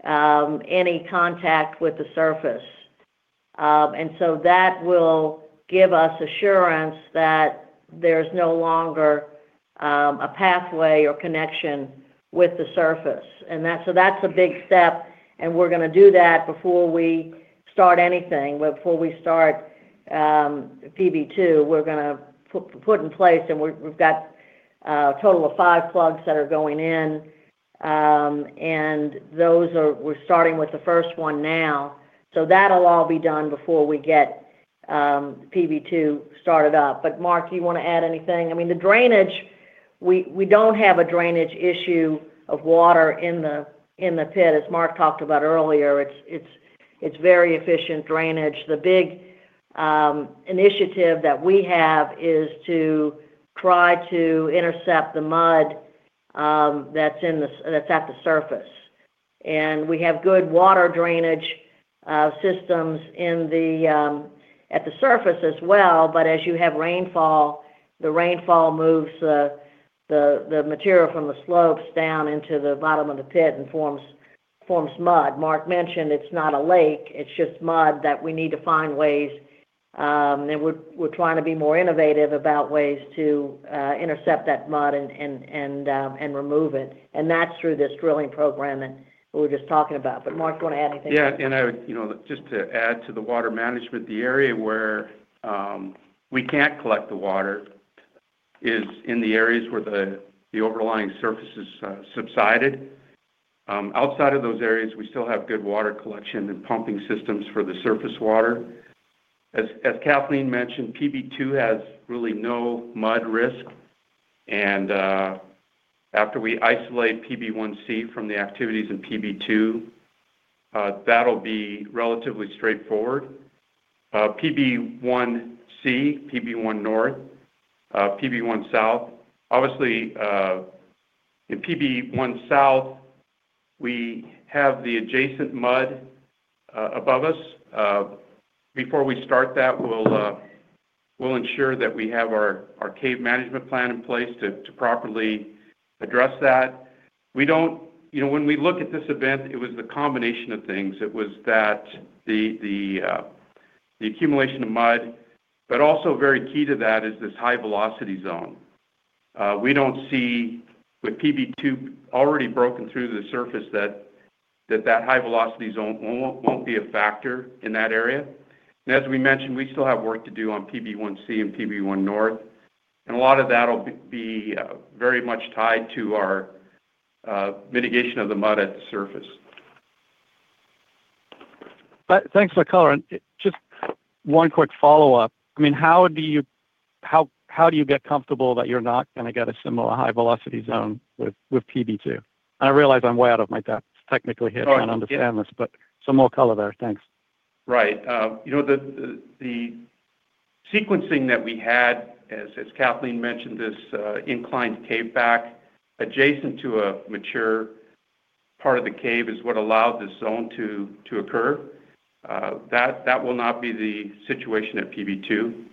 any contact with the surface. That will give us assurance that there's no longer a pathway or connection with the surface. That's a big step, and we're going to do that before we start anything. Before we start PB2, we're going to put in place, and we've got a total of five plugs that are going in, and we're starting with the first one now. That'll all be done before we get PB2 started up. Mark, do you want to add anything? I mean, the drainage, we don't have a drainage issue of water in the pit, as Mark talked about earlier. It's very efficient drainage. The big initiative that we have is to try to intercept the mud that is at the surface. We have good water drainage systems at the surface as well, but as you have rainfall, the rainfall moves the material from the slopes down into the bottom of the pit and forms mud. Mark mentioned it is not a lake. It is just mud that we need to find ways. We are trying to be more innovative about ways to intercept that mud and remove it. That is through this drilling program that we were just talking about. Mark, do you want to add anything? Yeah. Just to add to the water management, the area where we cannot collect the water is in the areas where the overlying surface is subsided. Outside of those areas, we still have good water collection and pumping systems for the surface water. As Kathleen mentioned, PB2 has really no mud risk. After we isolate PB1C from the activities in PB2, that will be relatively straightforward. PB1C, PB1 North, PB1 South. Obviously, in PB1 South, we have the adjacent mud above us. Before we start that, we will ensure that we have our cave management plan in place to properly address that. When we look at this event, it was the combination of things. It was the accumulation of mud, but also very key to that is this high-velocity zone. We do not see with PB2 already broken through the surface that that high-velocity zone will not be a factor in that area. As we mentioned, we still have work to do on PB1C and PB1 North. A lot of that will be very much tied to our mitigation of the mud at the surface. Thanks for the color. Just one quick follow-up. I mean, how do you get comfortable that you're not going to get a similar high-velocity zone with PB2? I realize I'm way out of my depth technically here trying to understand this, but some more color there. Thanks. Right. The sequencing that we had, as Kathleen mentioned, this inclined cave back adjacent to a mature part of the cave is what allowed this zone to occur. That will not be the situation at PB2.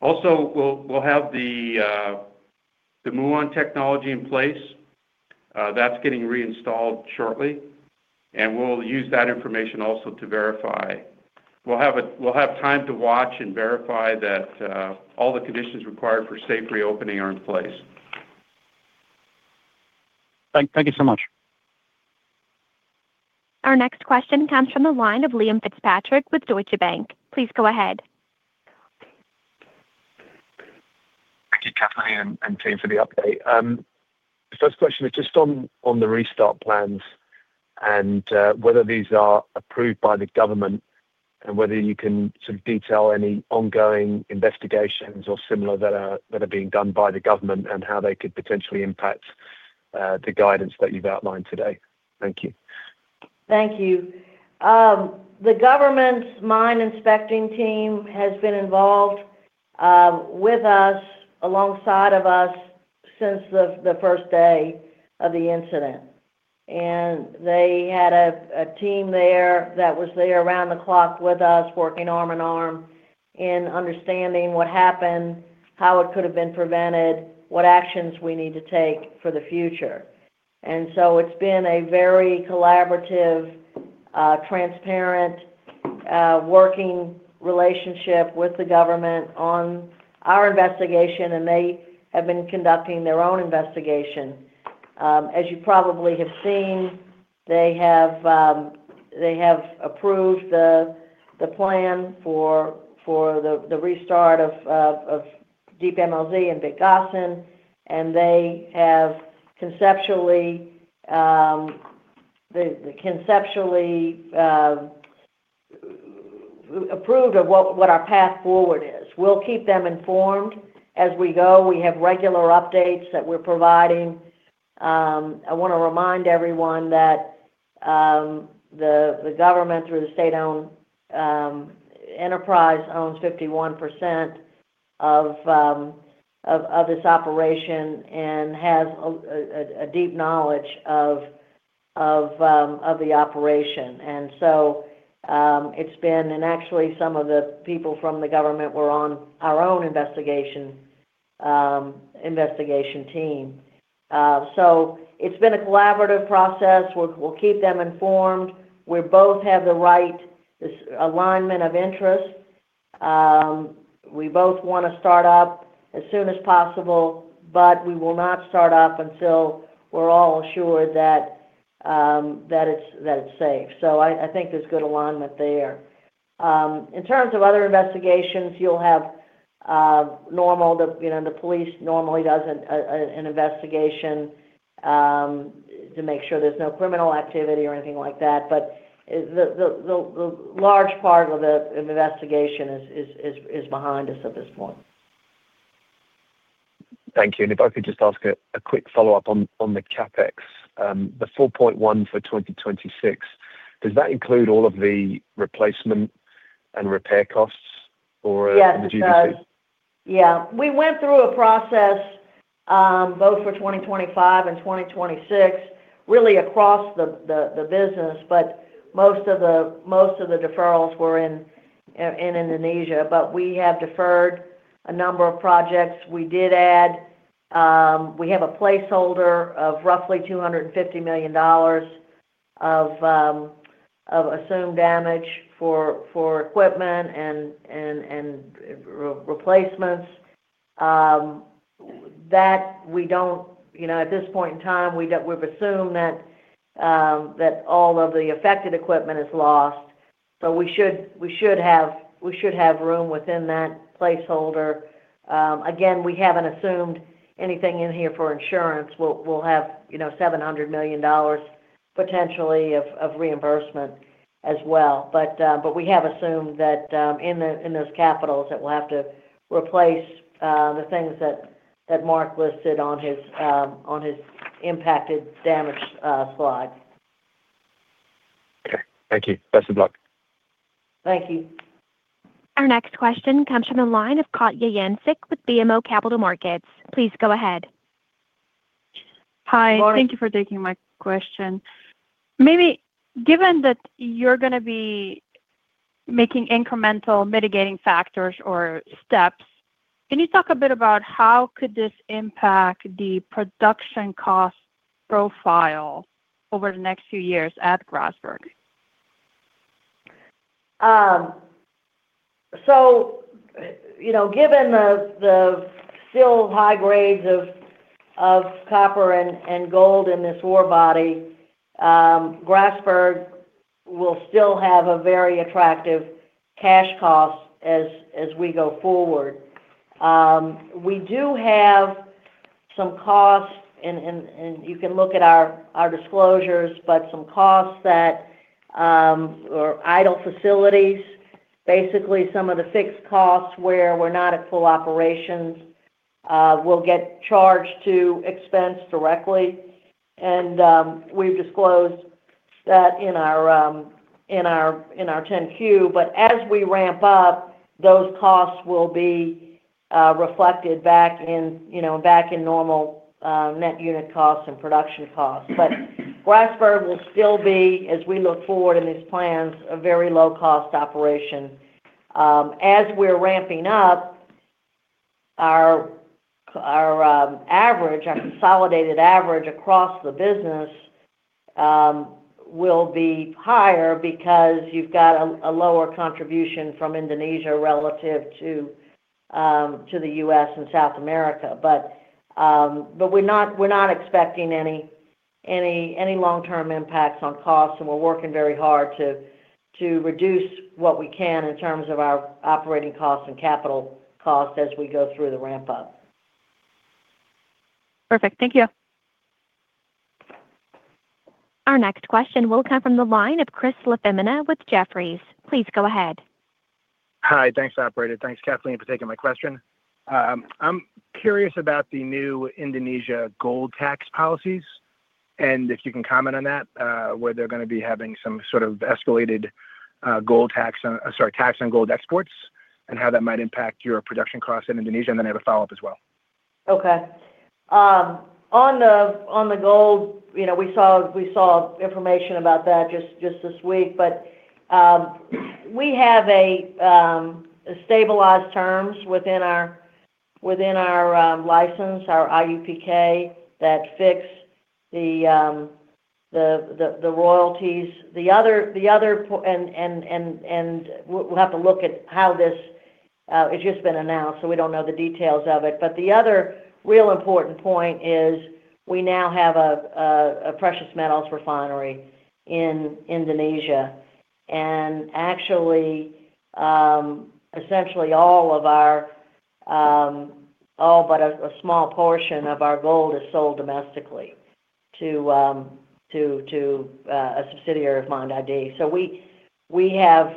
Also, we'll have the Muon technology in place. That's getting reinstalled shortly, and we'll use that information also to verify. We'll have time to watch and verify that all the conditions required for safe reopening are in place. Thank you so much. Our next question comes from the line of Liam Fitzpatrick with Deutsche Bank. Please go ahead. Thank you, Kathleen, and thank you for the update. First question is just on the restart plans and whether these are approved by the government and whether you can sort of detail any ongoing investigations or similar that are being done by the government and how they could potentially impact the guidance that you've outlined today. Thank you. The government's mine inspecting team has been involved with us alongside of us since the first day of the incident. They had a team there that was there around the clock with us, working arm in arm in understanding what happened, how it could have been prevented, what actions we need to take for the future. It has been a very collaborative, transparent, working relationship with the government on our investigation, and they have been conducting their own investigation. As you probably have seen, they have approved the plan for the restart of Deep MLZ and Big Gossan, and they have conceptually approved of what our path forward is. We'll keep them informed as we go. We have regular updates that we're providing. I want to remind everyone that the government, through the state-owned enterprise, owns 51% of this operation and has a deep knowledge of the operation. It has been, and actually, some of the people from the government were on our own investigation team. It has been a collaborative process. We'll keep them informed. We both have the right alignment of interest. We both want to start up as soon as possible, but we will not start up until we're all assured that it's safe. I think there's good alignment there. In terms of other investigations, you'll have normal, the police normally does an investigation to make sure there's no criminal activity or anything like that. The large part of the investigation is behind us at this point. Thank you. If I could just ask a quick follow-up on the CapEx, the $4.1 billion for 2026, does that include all of the replacement and repair costs or the GDC? Yeah. Yeah. We went through a process both for 2025 and 2026, really across the business, but most of the deferrals were in Indonesia. We have deferred a number of projects. We did add, we have a placeholder of roughly $250 million of assumed damage for equipment and replacements. At this point in time, we've assumed that all of the affected equipment is lost. We should have room within that placeholder. Again, we haven't assumed anything in here for insurance. We'll have $700 million potentially of reimbursement as well. We have assumed that in those capitals that we'll have to replace the things that Mark listed on his impacted damage slide. Okay. Thank you. Best of luck. Thank you. Our next question comes from the line of Katja Jancic with BMO Capital Markets. Please go ahead. Hi. Thank you for taking my question. Maybe given that you're going to be making incremental mitigating factors or steps, can you talk a bit about how could this impact the production cost profile over the next few years at Grasberg? Given the still high grades of copper and gold in this ore body, Grasberg will still have a very attractive cash cost as we go forward. We do have some costs, and you can look at our disclosures, but some costs that are idle facilities, basically some of the fixed costs where we're not at full operations, will get charged to expense directly. We have disclosed that in our 10Q. As we ramp up, those costs will be reflected back in normal net unit costs and production costs. Grasberg will still be, as we look forward in these plans, a very low-cost operation. As we're ramping up, our consolidated average across the business will be higher because you have a lower contribution from Indonesia relative to the U.S. and South America. We are not expecting any long-term impacts on costs, and we are working very hard to reduce what we can in terms of our operating costs and capital costs as we go through the ramp-up. Perfect. Thank you. Our next question will come from the line of Chris LaFemina with Jefferies. Please go ahead. Hi. Thanks, operator. Thanks, Kathleen, for taking my question. I'm curious about the new Indonesia gold tax policies and if you can comment on that, whether they're going to be having some sort of escalated gold tax on, sorry, tax on gold exports and how that might impact your production costs in Indonesia. I have a follow-up as well. Okay. On the gold, we saw information about that just this week. We have stabilized terms within our license, our IUPK, that fix the royalties. We will have to look at how this has just been announced, so we do not know the details of it. The other real important point is we now have a precious metals refinery in Indonesia. Actually, essentially, all but a small portion of our gold is sold domestically to a subsidiary of Mine ID. We have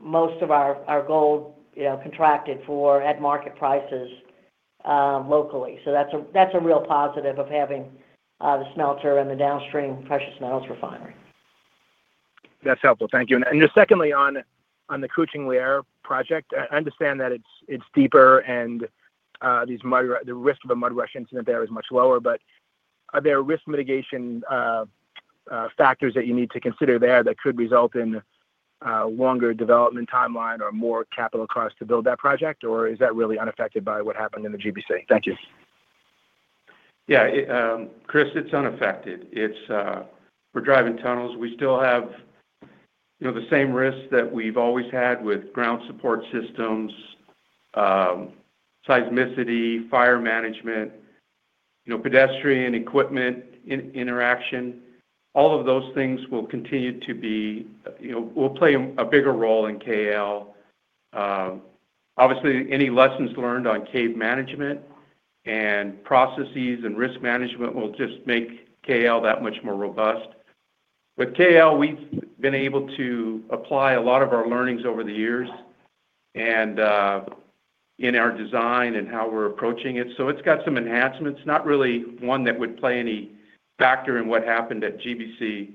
most of our gold contracted for at market prices locally. That is a real positive of having the smelter and the downstream precious metals refinery. That is helpful. Thank you. Secondly, on the Kuchko Liar project, I understand that it is deeper and the risk of a mud rush incident there is much lower. Are there risk mitigation factors that you need to consider there that could result in a longer development timeline or more capital costs to build that project, or is that really unaffected by what happened in the GBC? Thank you. Yeah. Chris, it is unaffected. We are driving tunnels. We still have the same risks that we have always had with ground support systems, seismicity, fire management, pedestrian equipment interaction. All of those things will continue to be, will play a bigger role in KL. Obviously, any lessons learned on cave management and processes and risk management will just make KL that much more robust. With KL, we've been able to apply a lot of our learnings over the years in our design and how we're approaching it. It has got some enhancements, not really one that would play any factor in what happened at GBC.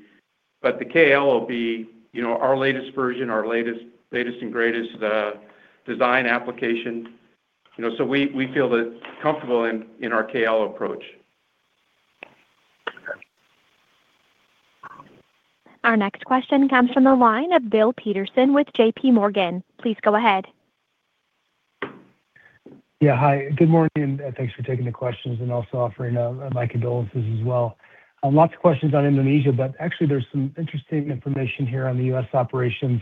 The KL will be our latest version, our latest and greatest design application. We feel comfortable in our KL approach. Our next question comes from the line of Bill Peterson with JPMorgan. Please go ahead. Yeah. Hi. Good morning. And thanks for taking the questions and also offering my condolences as well. Lots of questions on Indonesia, but actually, there's some interesting information here on the US operations.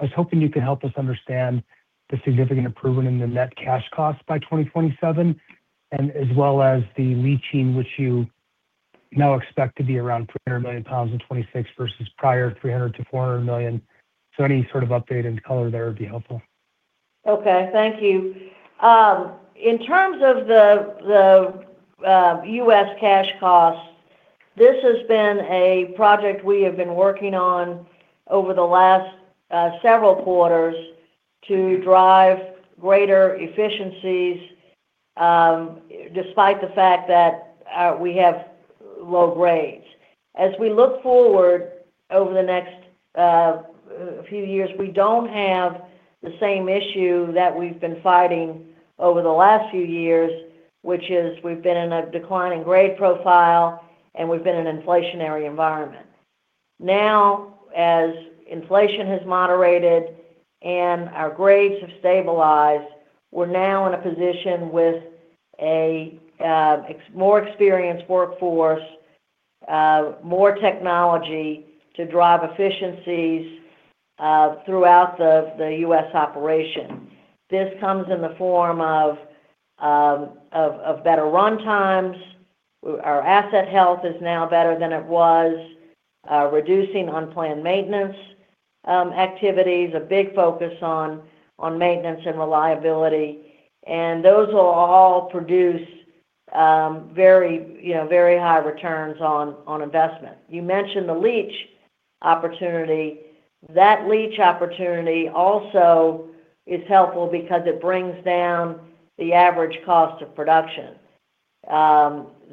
I was hoping you could help us understand the significant improvement in the net cash costs by 2027, as well as the leaching, which you now expect to be around 300 million pounds in 2026 versus prior 300-400 million. So any sort of update in color there would be helpful. Okay. Thank you. In terms of the U.S. cash costs, this has been a project we have been working on over the last several quarters to drive greater efficiencies despite the fact that we have low grades. As we look forward over the next few years, we do not have the same issue that we have been fighting over the last few years, which is we have been in a declining grade profile, and we have been in an inflationary environment. Now, as inflation has moderated and our grades have stabilized, we're now in a position with a more experienced workforce, more technology to drive efficiencies throughout the U.S. operation. This comes in the form of better run times. Our asset health is now better than it was, reducing unplanned maintenance activities, a big focus on maintenance and reliability. Those will all produce very high returns on investment. You mentioned the leach opportunity. That leach opportunity also is helpful because it brings down the average cost of production.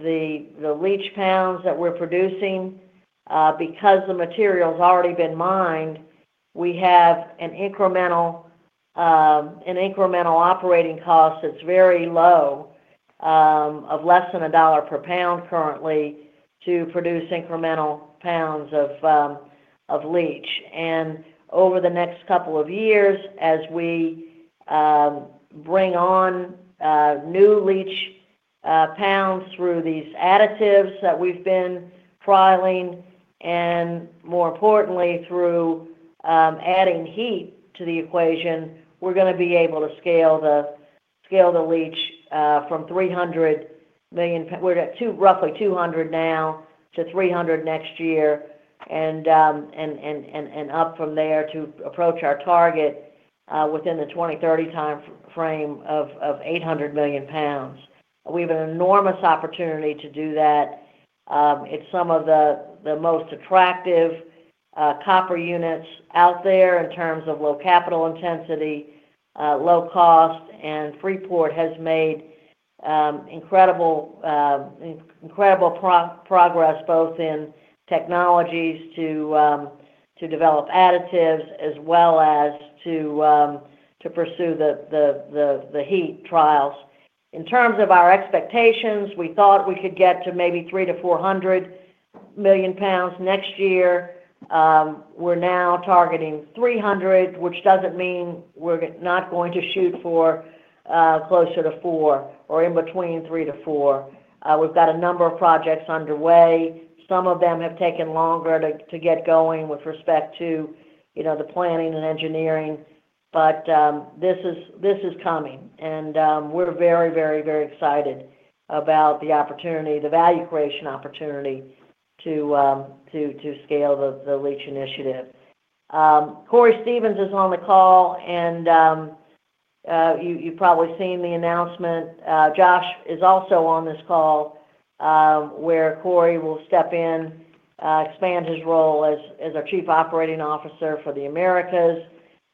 The leach GBP that we're producing, because the material has already been mined, we have an incremental operating cost that's very low, of less than $1 per GBP currently to produce incremental GBP of leach. Over the next couple of years, as we bring on new leach GBP through these additives that we've been trialing, and more importantly, through adding heat to the equation, we're going to be able to scale the leach from 300 million—we're at roughly 200 now—to 300 next year and up from there to approach our target within the 2030 time frame of 800 million pounds GBP. We have an enormous opportunity to do that. It's some of the most attractive copper units out there in terms of low capital intensity, low cost, and Freeport-McMoRan has made incredible progress both in technologies to develop additives as well as to pursue the heat trials. In terms of our expectations, we thought we could get to maybe 300-400 million pounds next year. We're now targeting 300, which doesn't mean we're not going to shoot for closer to 4 or in between 3 to 4. We've got a number of projects underway. Some of them have taken longer to get going with respect to the planning and engineering. This is coming. We're very, very, very excited about the opportunity, the value creation opportunity to scale the leach initiative. Cory Stevens is on the call, and you've probably seen the announcement. Josh is also on this call where Cory will step in, expand his role as our Chief Operating Officer for the Americas.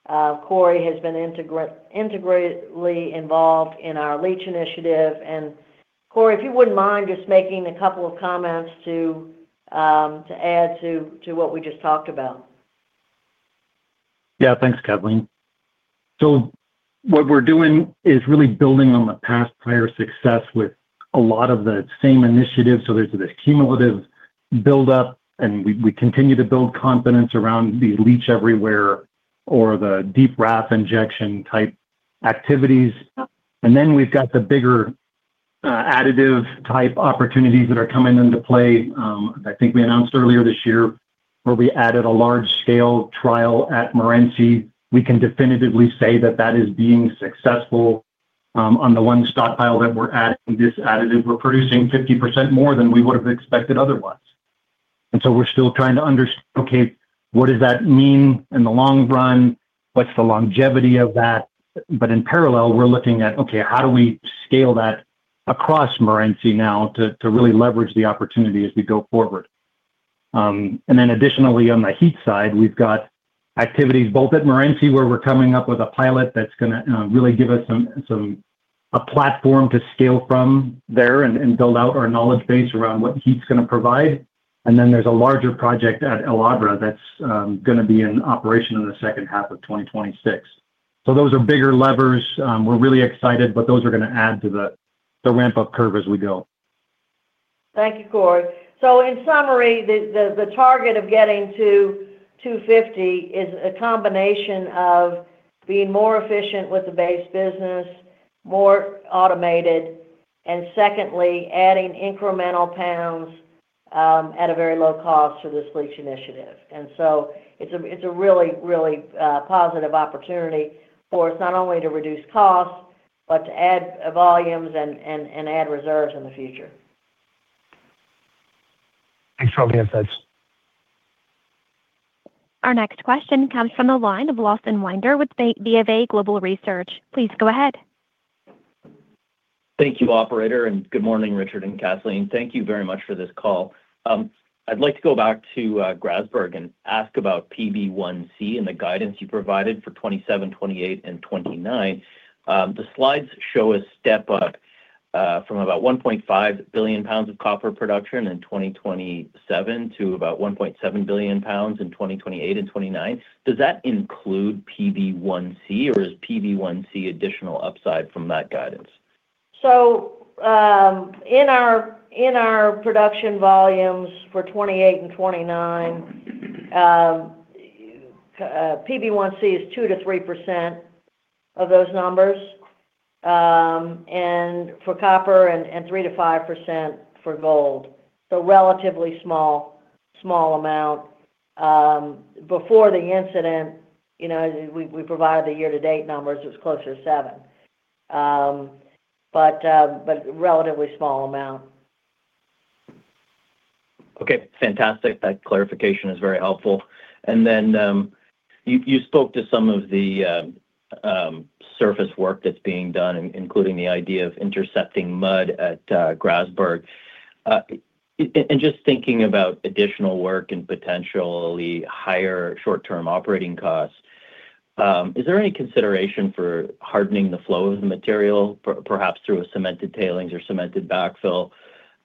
Cory has been integrally involved in our leach initiative. Cory, if you wouldn't mind just making a couple of comments to add to what we just talked about. Yeah. Thanks, Kathleen. What we're doing is really building on the past prior success with a lot of the same initiatives. There's the cumulative build-up, and we continue to build confidence around the leach everywhere or the deep raft injection type activities. Then we've got the bigger additive type opportunities that are coming into play. I think we announced earlier this year where we added a large-scale trial at Morenci. We can definitively say that that is being successful. On the one stockpile that we're adding this additive, we're producing 50% more than we would have expected otherwise. We're still trying to understand, okay, what does that mean in the long run? What's the longevity of that? In parallel, we're looking at, okay, how do we scale that across Morenci now to really leverage the opportunity as we go forward? Additionally, on the heat side, we have activities both at Morenci where we are coming up with a pilot that is going to really give us a platform to scale from there and build out our knowledge base around what heat is going to provide. There is a larger project at El Abra that is going to be in operation in the second half of 2026. Those are bigger levers. We are really excited, but those are going to add to the ramp-up curve as we go. Thank you, Cory. In summary, the target of getting to 250 is a combination of being more efficient with the base business, more automated, and secondly, adding incremental GBP at a very low cost for this leach initiative. It is a really, really positive opportunity for us not only to reduce costs, but to add volumes and add reserves in the future. Thanks for all the insights. Our next question comes from the line of Lawson Winder with Via Global Research. Please go ahead. Thank you, operator. And good morning, Richard and Kathleen. Thank you very much for this call. I'd like to go back to Grasberg and ask about PB1C and the guidance you provided for 2027, 2028, and 2029. The slides show a step up from about 1.5 billion pounds of copper production in 2027 to about 1.7 billion pounds in 2028 and 2029. Does that include PB1C, or is PB1C additional upside from that guidance? In our production volumes for 2028 and 2029, PB1C is 2-3% of those numbers for copper and 3-5% for gold. A relatively small amount. Before the incident, we provided the year-to-date numbers. It was closer to 7%, but a relatively small amount. Okay. Fantastic. That clarification is very helpful. Then you spoke to some of the surface work that's being done, including the idea of intercepting mud at Grasberg. Just thinking about additional work and potentially higher short-term operating costs, is there any consideration for hardening the flow of the material, perhaps through cemented tailings or cemented backfill?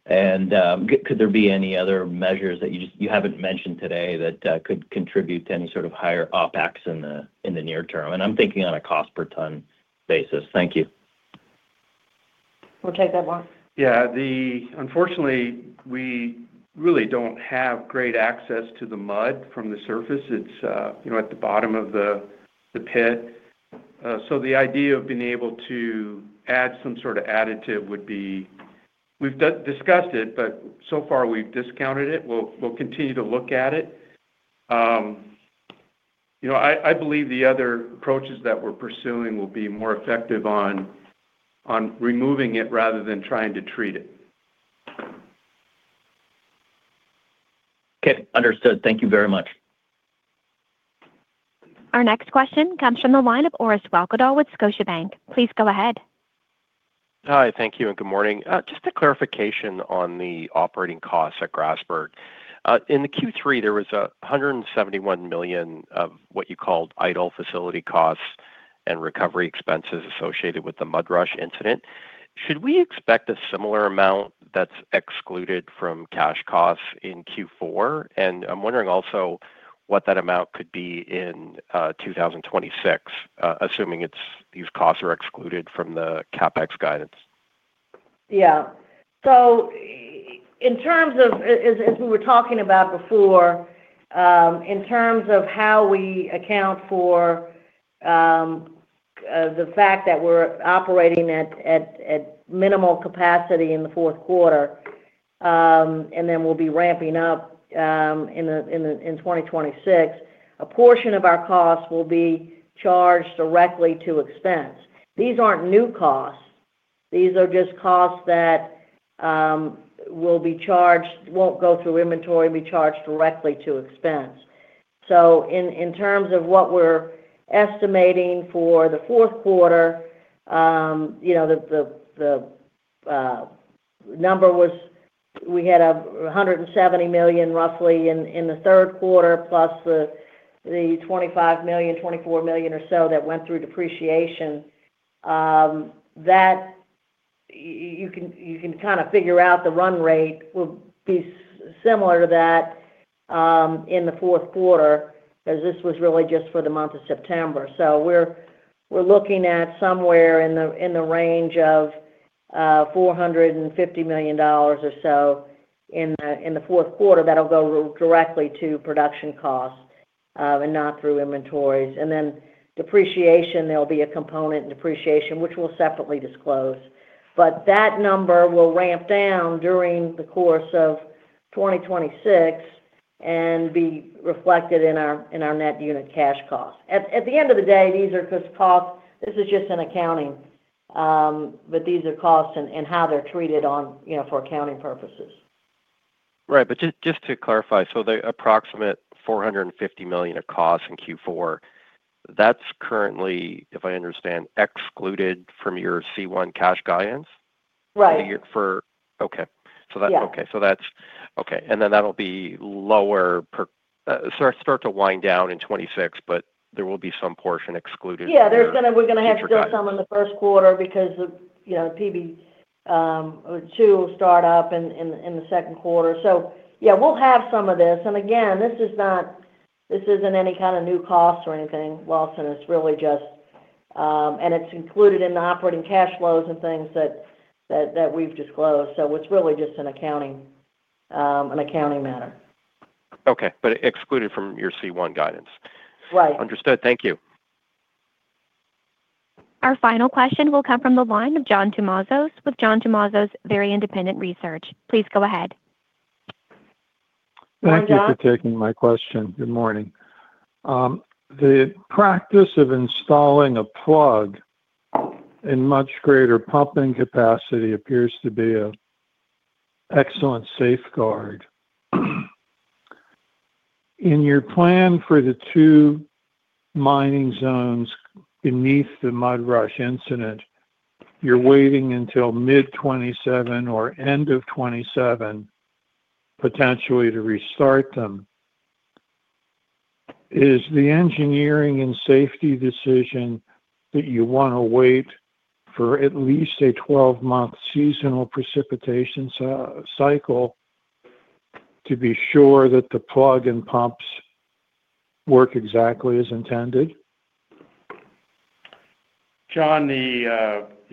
Could there be any other measures that you haven't mentioned today that could contribute to any sort of higher OpEx in the near term? I'm thinking on a cost-per-ton basis. Thank you. We'll take that one. Yeah. Unfortunately, we really don't have great access to the mud from the surface. It's at the bottom of the pit. The idea of being able to add some sort of additive would be, we've discussed it, but so far, we've discounted it. We'll continue to look at it. I believe the other approaches that we're pursuing will be more effective on removing it rather than trying to treat it. Okay. Understood. Thank you very much. Our next question comes from the line of Orris Walchedal with Scotiabank. Please go ahead. Hi. Thank you. And good morning. Just a clarification on the operating costs at Grasberg. In Q3, there was $171 million of what you called idle facility costs and recovery expenses associated with the mud rush incident. Should we expect a similar amount that's excluded from cash costs in Q4? I'm wondering also what that amount could be in 2026, assuming these costs are excluded from the CapEx guidance. Yeah. In terms of, as we were talking about before, in terms of how we account for the fact that we're operating at minimal capacity in the fourth quarter, and then we'll be ramping up in 2026, a portion of our costs will be charged directly to expense. These aren't million or so that went through depreciation. You can kind of figure out the run rate will be similar to that in the fourth quarter because this was really just for the month of September. We're looking at somewhere in the range of $450 million or so in the fourth quarter that'll go directly to production costs and not through inventories. Depreciation, there'll be a component in depreciation, which we'll separately disclose. That number will ramp down during the course of 2026 and be reflected in our net unit cash cost. At the end of the day, these are just costs. This is just an accounting, but these are costs and how they're treated for accounting purposes. Right. Just to clarify, the approximate $450 million of costs in Q4, that's currently, if I understand, excluded from your C1 cash guidance? Right. Okay. That's okay. That'll be lower, start to wind down in 2026, but there will be some portion excluded. Yeah. We're going to have to do some in the first quarter because PB2 will start up in the second quarter. Yeah, we'll have some of this. Again, this isn't any kind of new costs or anything, Lawson. It's really just, and it's included in the operating cash flows and things that we've disclosed. It's really just an accounting matter. Okay. But excluded from your C1 guidance. Understood. Thank you. Our final question will come from the line of John Tumazos with John Tumazos Very Independent Research. Please go ahead. Thank you for taking my question. Good morning. The practice of installing a plug in much greater pumping capacity appears to be an excellent safeguard. In your plan for the two mining zones beneath the mud rush incident, you're waiting until mid-2027 or end of 2027 potentially to restart them. Is the engineering and safety decision that you want to wait for at least a 12-month seasonal precipitation cycle to be sure that the plug and pumps work exactly as intended? John,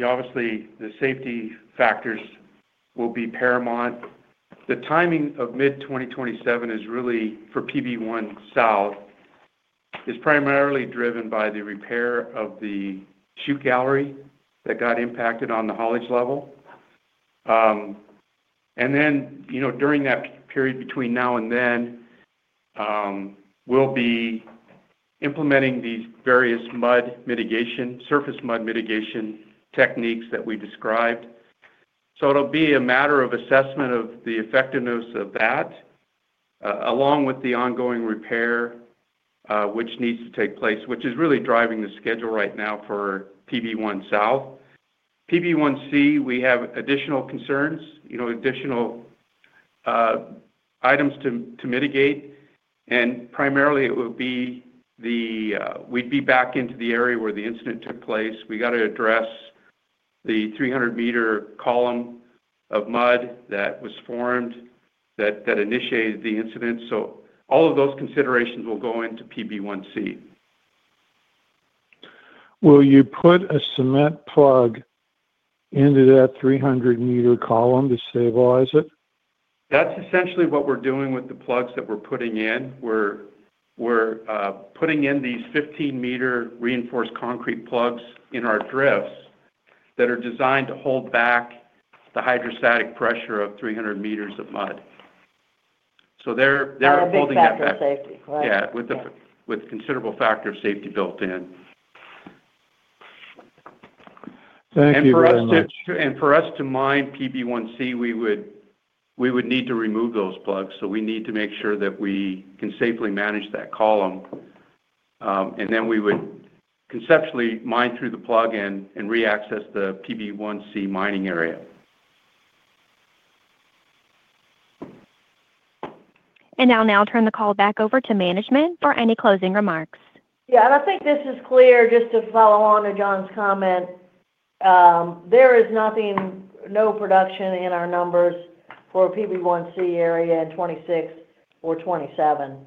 obviously, the safety factors will be paramount. The timing of mid-2027 is really for PB1 South is primarily driven by the repair of the chute gallery that got impacted on the haulage level. During that period between now and then, we will be implementing these various surface mud mitigation techniques that we described. It will be a matter of assessment of the effectiveness of that along with the ongoing repair, which needs to take place, which is really driving the schedule right now for PB1 South. PB1C, we have additional concerns, additional items to mitigate. Primarily, it would be we would be back into the area where the incident took place. We got to address the 300-meter column of mud that was formed that initiated the incident. All of those considerations will go into PB1C. Will you put a cement plug into that 300-meter column to stabilize it? That's essentially what we're doing with the plugs that we're putting in. We're putting in these 15-meter reinforced concrete plugs in our drifts that are designed to hold back the hydrostatic pressure of 300 meters of mud. They're holding that back, with considerable factor of safety built in. Thank you. For us to mine PB1C, we would need to remove those plugs. We need to make sure that we can safely manage that column. We would conceptually mine through the plug and re-access the PB1C mining area. I'll now turn the call back over to management for any closing remarks. Yeah. I think this is clear just to follow on to John's comment. There is no production in our numbers for PB1C area in 2026 or 2027.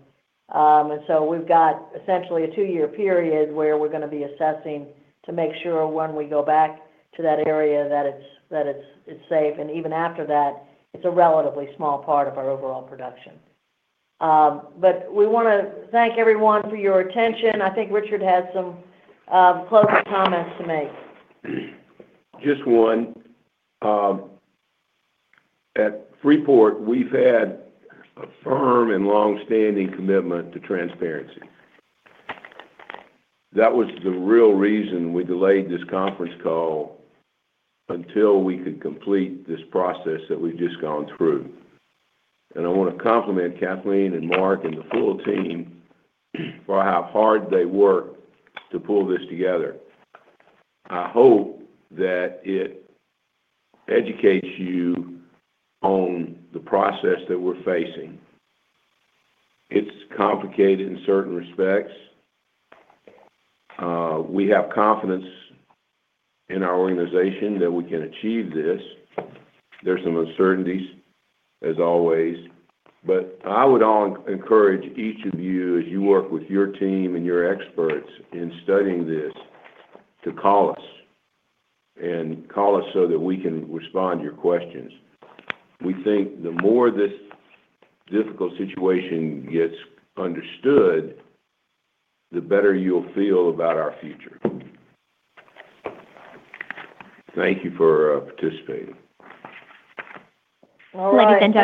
We have essentially a two-year period where we are going to be assessing to make sure when we go back to that area that it is safe. Even after that, it is a relatively small part of our overall production. We want to thank everyone for your attention. I think Richard has some closing comments to make. Just one. At Freeport-McMoRan, we have had a firm and long-standing commitment to transparency. That was the real reason we delayed this conference call until we could complete this process that we have just gone through. I want to compliment Kathleen and Mark and the full team for how hard they worked to pull this together. I hope that it educates you on the process that we're facing. It's complicated in certain respects. We have confidence in our organization that we can achieve this. There's some uncertainties, as always. I would encourage each of you, as you work with your team and your experts in studying this, to call us and call us so that we can respond to your questions. We think the more this difficult situation gets understood, the better you'll feel about our future. Thank you for participating. All righty. Thank you.